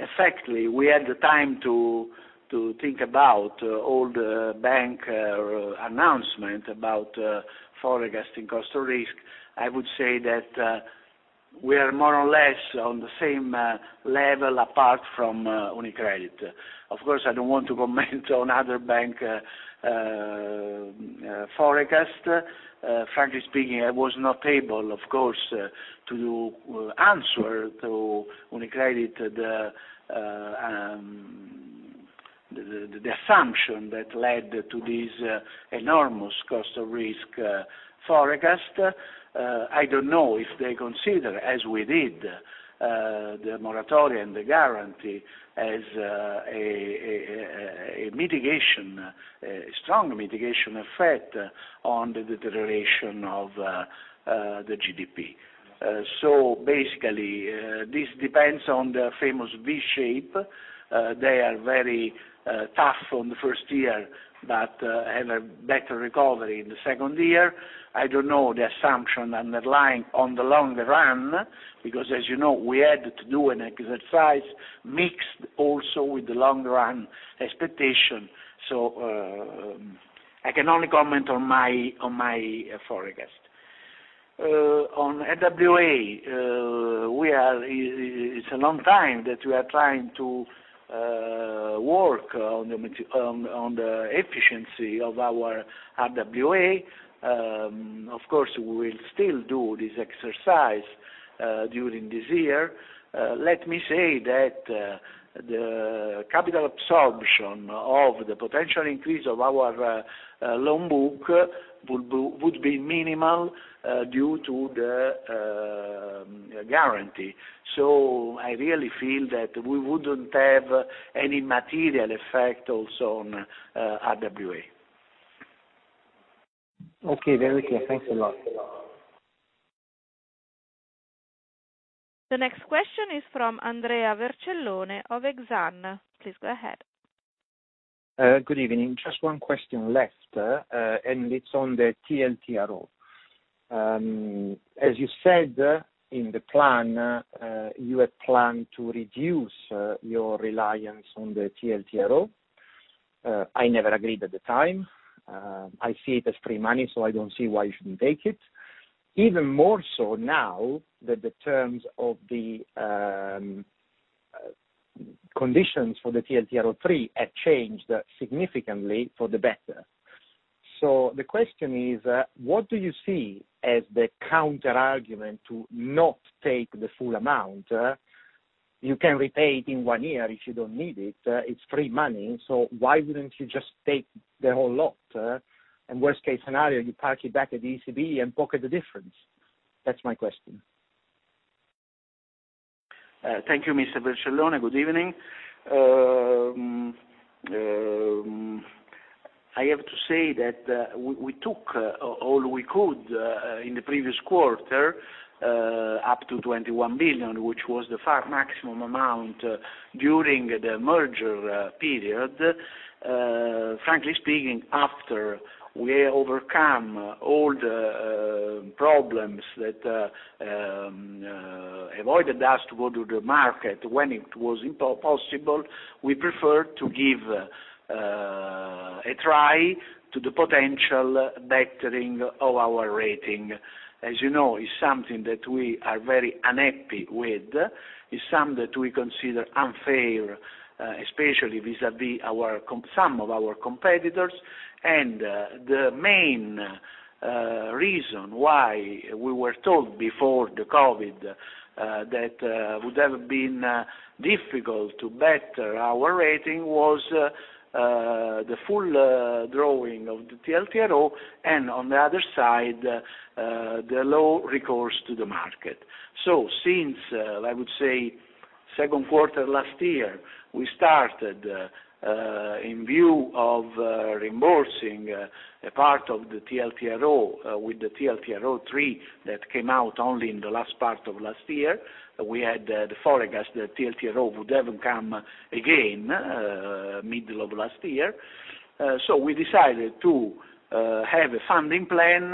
Effectively, we had the time to think about all the bank announcement about forecasting cost of risk. I would say that we are more or less on the same level apart from UniCredit. Of course, I don't want to comment on other bank forecast. Frankly speaking, I was not able, of course, to answer to UniCredit the assumption that led to this enormous cost of risk forecast. I don't know if they consider, as we did, the moratoria and the guarantee as a strong mitigation effect on the deterioration of the GDP. Basically, this depends on the famous V shape. They are very tough on the first year, but have a better recovery in the second year. I don't know the assumption underlying on the long run, because as you know, we had to do an exercise mixed also with the long-run expectation. I can only comment on my forecast. On RWA, it's a long time that we are trying to work on the efficiency of our RWA. Of course, we will still do this exercise during this year. Let me say that the capital absorption of the potential increase of our loan book would be minimal due to the guarantee. I really feel that we wouldn't have any material effect also on RWA. Okay, very clear. Thanks a lot. The next question is from Andrea Vercellone of Exane. Please go ahead. Good evening. Just one question left. It's on the TLTRO. As you said in the plan, you had planned to reduce your reliance on the TLTRO. I never agreed at the time. I see it as free money, so I don't see why you shouldn't take it. Even more so now that the terms of the conditions for the TLTRO III have changed significantly for the better. The question is, what do you see as the counterargument to not take the full amount? You can repay it in one year if you don't need it. It's free money, so why wouldn't you just take the whole lot? Worst case scenario, you park it back at ECB and pocket the difference. That's my question. Thank you, Mr. Vercellone. Good evening. I have to say that we took all we could in the previous quarter, up to 21 billion, which was the maximum amount during the merger period. Frankly speaking, after we overcome all the problems that avoided us to go to the market when it was possible, we prefer to give a try to the potential bettering of our rating. As you know, it's something that we are very unhappy with. It's something that we consider unfair, especially vis-à-vis some of our competitors. The main reason why we were told before the COVID that would have been difficult to better our rating was the full drawing of the TLTRO, and on the other side, the low recourse to the market. Since, I would say second quarter last year, we started in view of reimbursing a part of the TLTRO with the TLTRO III that came out only in the last part of last year. We had the forecast that TLTRO would even come again middle of last year. We decided to have a funding plan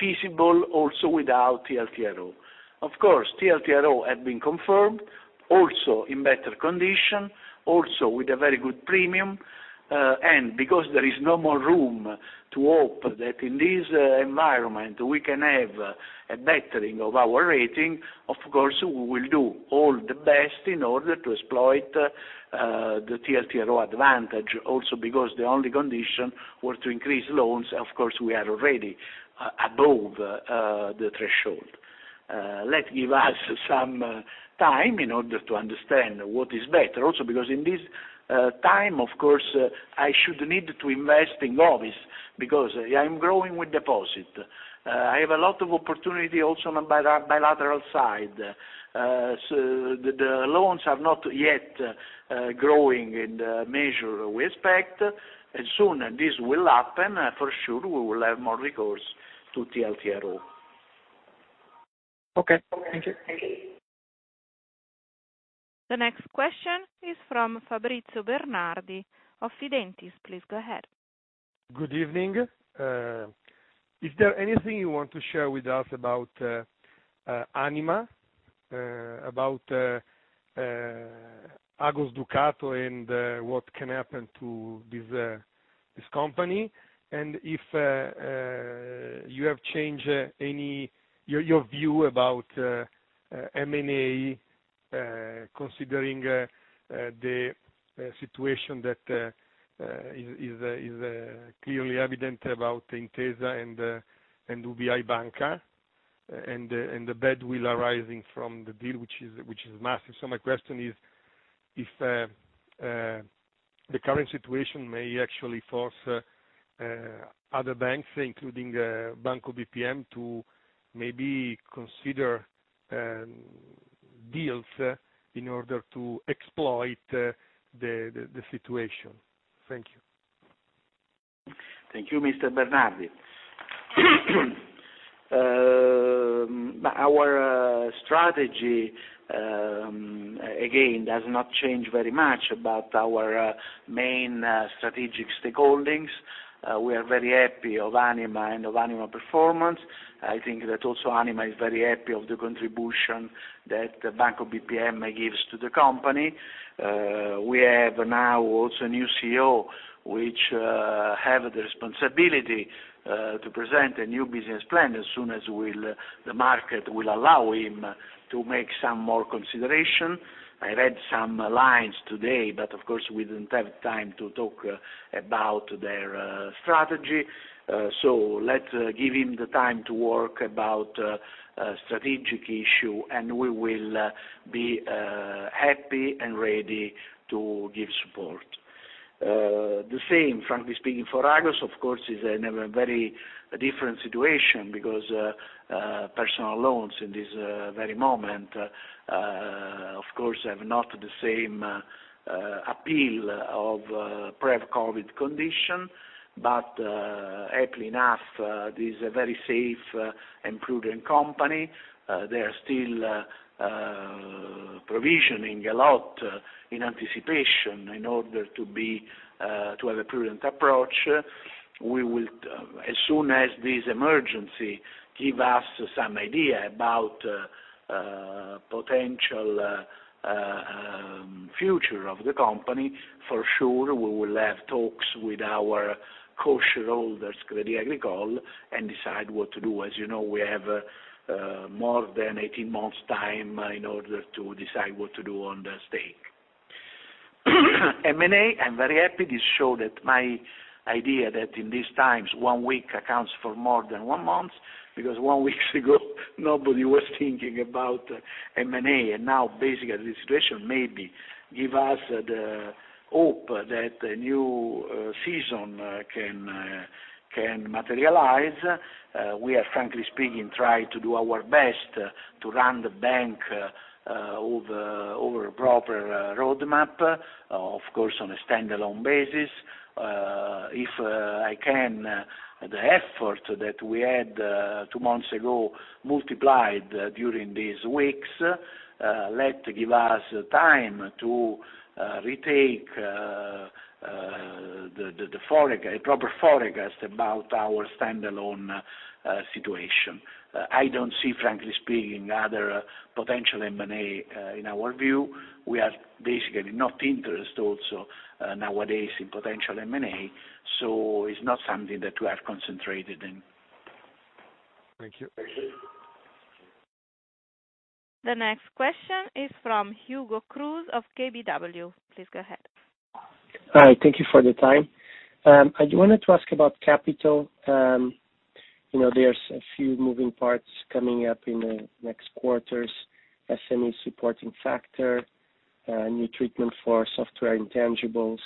feasible also without TLTRO. Of course, TLTRO had been confirmed, also in better condition, also with a very good premium. Because there is no more room to hope that in this environment we can have a bettering of our rating, of course, we will do all the best in order to exploit the TLTRO advantage, also because the only condition was to increase loans. Of course, we are already above the threshold. Let's give us some time in order to understand what is better. Because in this time, of course, I should need to invest in office, because I am growing with deposit. I have a lot of opportunity also on bilateral side. The loans are not yet growing in the measure we expect. As soon as this will happen, for sure we will have more recourse to TLTRO. Okay. Thank you. The next question is from Fabrizio Bernardi of Fidentiis. Please go ahead. Good evening. Is there anything you want to share with us about Anima, about Agos Ducato, and what can happen to this company? If you have changed your view about M&A, considering the situation that is clearly evident about Intesa and UBI Banca, and the badwill arising from the deal, which is massive. My question is, if the current situation may actually force other banks, including Banco BPM, to maybe consider deals in order to exploit the situation. Thank you. Thank you, Mr. Bernardi. Our strategy, again, does not change very much, about our main strategic stakeholdings. We are very happy of Anima and of Anima performance. I think that also Anima is very happy of the contribution that Banco BPM gives to the company. We have now also a new CEO, which have the responsibility to present a new business plan as soon as the market will allow him to make some more consideration. I read some lines today. Of course, we didn't have time to talk about their strategy. Let's give him the time to work about strategic issue, and we will be happy and ready to give support. The same, frankly speaking, for Agos. Of course, it's in a very different situation because personal loans in this very moment, of course, have not the same appeal of pre-COVID condition. Happily enough, this is a very safe and prudent company. They are still provisioning a lot in anticipation in order to have a prudent approach. As soon as this emergency give us some idea about potential future of the company, for sure, we will have talks with our co-shareholders, Crédit Agricole, and decide what to do. As you know, we have more than 18 months' time in order to decide what to do on the stake. M&A, I'm very happy. This show that my idea that in these times, one week accounts for more than one month, because one week ago, nobody was thinking about M&A, and now basically the situation maybe give us the hope that a new season can materialize. We are, frankly speaking, try to do our best to run the bank over a proper roadmap, of course, on a standalone basis. If I can, the effort that we had two months ago multiplied during these weeks, let give us time to retake the proper forecast about our standalone situation. I don't see, frankly speaking, other potential M&A in our view. We are basically not interested also nowadays in potential M&A, so it's not something that we have concentrated in. Thank you. The next question is from Hugo Cruz of KBW. Please go ahead. Hi. Thank you for the time. I wanted to ask about capital. There's a few moving parts coming up in the next quarters, SME supporting factor, new treatment for software intangibles.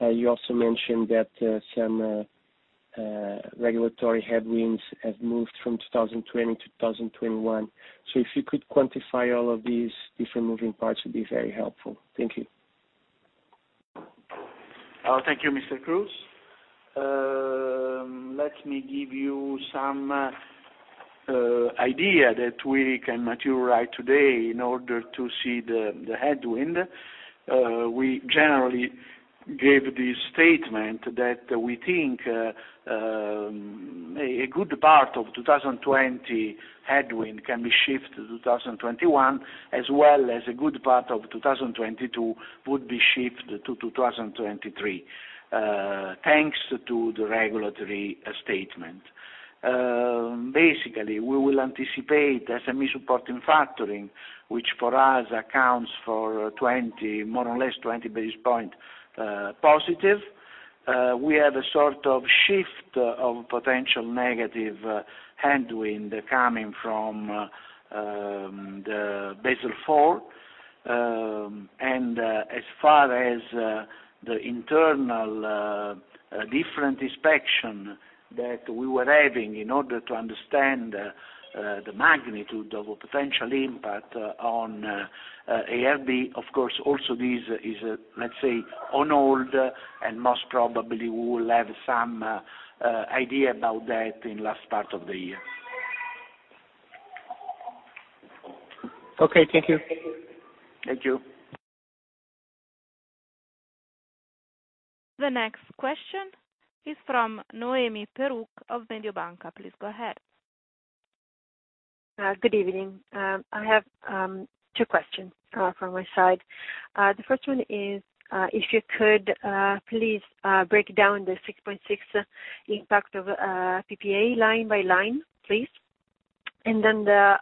You also mentioned that some regulatory headwinds have moved from 2020 to 2021. If you could quantify all of these different moving parts, it'd be very helpful. Thank you. Thank you, Mr. Cruz. Let me give you some idea that we can materialize today in order to see the headwind. We generally gave the statement that we think a good part of 2020 headwind can be shifted to 2021, as well as a good part of 2022 would be shifted to 2023, thanks to the regulatory statement. Basically, we will anticipate SME supporting factor, which for us accounts for more or less 20 basis points positive. We have a sort of shift of potential negative headwind coming from the Basel IV. As far as the internal different inspection that we were having in order to understand the magnitude of a potential impact on AIRB, of course, also this is, let's say, on hold, and most probably we will have some idea about that in last part of the year. Okay. Thank you. Thank you. The next question is from Noemi Peruch of Mediobanca. Please go ahead. Good evening. I have two questions from my side. The first one is if you could please break down the 6.6 impact of PPA line by line, please. The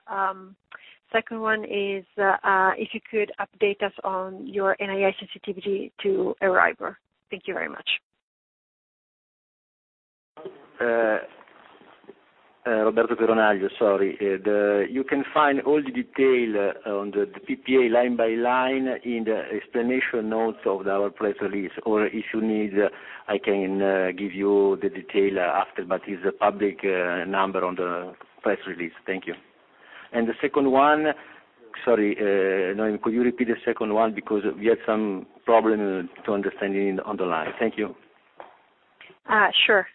second one is, if you could update us on your NII sensitivity to Euribor. Thank you very much. Roberto Peronaglio, sorry. You can find all the detail on the PPA line by line in the explanation notes of our press release. If you need, I can give you the detail after, but it's a public number on the press release. Thank you. The second one. Sorry, Noemi Peruch, could you repeat the second one, because we had some problem to understanding on the line. Thank you. Sure.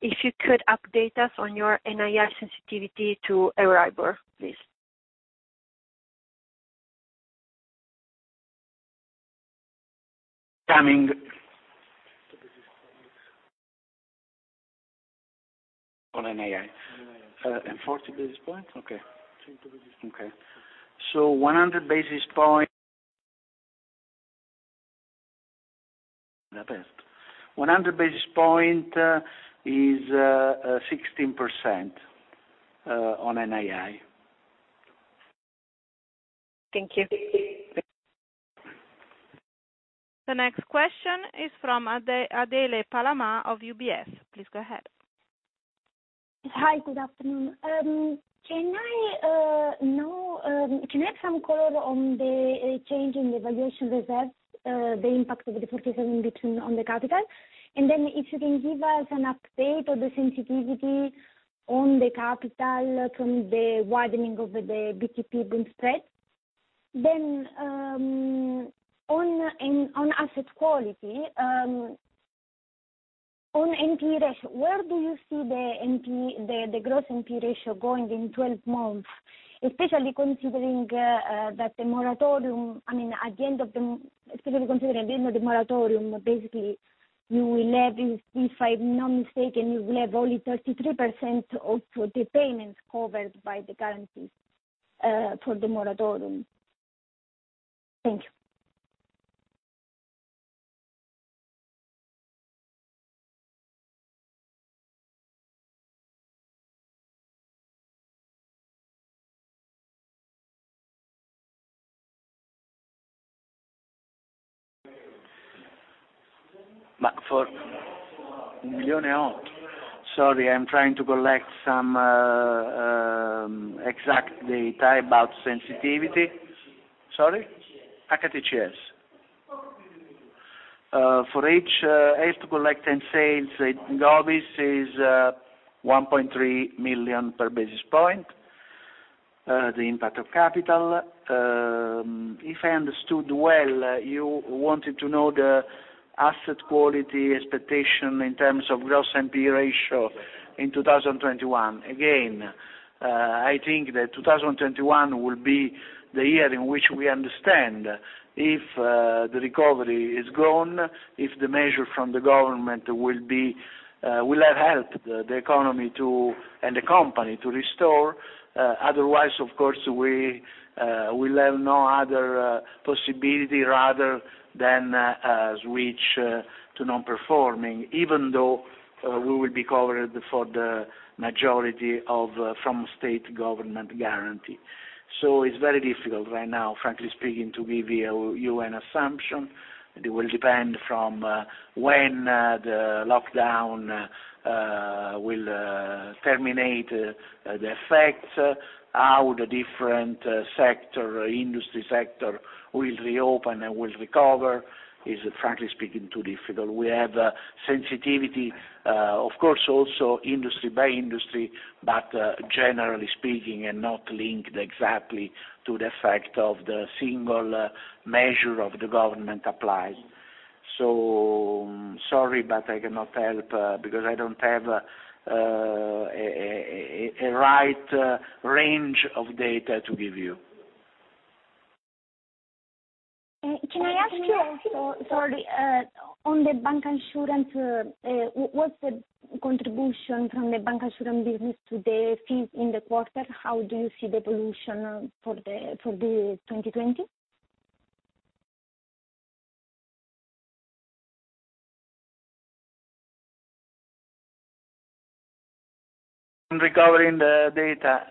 If you could update us on your NII sensitivity to Euribor, please. Coming. On NII. 40 basis points? Okay. 100 basis points. Okay. 100 basis point is 16% on NII. Thank you. The next question is from Adele Palamà of UBS. Please go ahead. Hi, good afternoon. Can I have some color on the change in the valuation reserve, the impact of the 47 between on the capital? If you can give us an update of the sensitivity on the capital from the widening of the BTP bund spread. On asset quality, on NPE ratio, where do you see the gross NPE ratio going in 12 months, especially considering at the end of the moratorium, basically, if I'm not mistaken, you will have only 33% of the payments covered by the guarantees for the moratorium. Thank you. Sorry, I'm trying to collect some exact data about sensitivity. Sorry? HTCS. HTCS. For each collect and sales, this is 1.3 million per basis point, the impact of capital. If I understood well, you wanted to know the asset quality expectation in terms of gross NPE ratio in 2021. Again, I think that 2021 will be the year in which we understand if the recovery is grown, if the measure from the government will have helped the economy and the company to restore. Otherwise, of course, we will have no other possibility rather than switch to non-performing, even though we will be covered for the majority from state government guarantee. It's very difficult right now, frankly speaking, to give you an assumption. It will depend from when the lockdown will terminate the effects, how the different industry sector will reopen and will recover. It's, frankly speaking, too difficult. We have sensitivity, of course, also industry by industry, but generally speaking, and not linked exactly to the effect of the single measure of the government applied. Sorry, but I cannot help because I don't have a right range of data to give you. Can I ask you also, sorry, on the bancassurance, what's the contribution from the bancassurance business to the fees in the quarter? How do you see the evolution for the 2020? I'm recovering the data.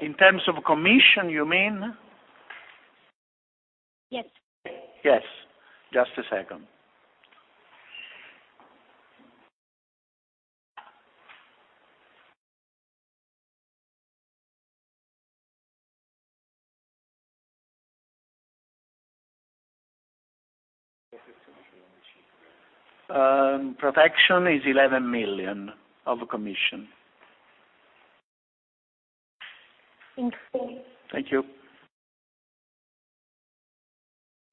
In terms of commission, you mean? Yes. Yes. Just a second. Protection is 11 million of commission. Thanks. Thank you.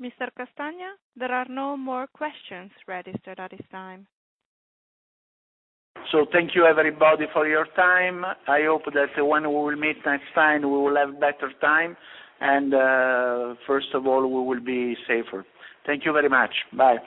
Mr. Castagna, there are no more questions registered at this time. Thank you, everybody, for your time. I hope that when we will meet next time, we will have better time and, first of all, we will be safer. Thank you very much. Bye.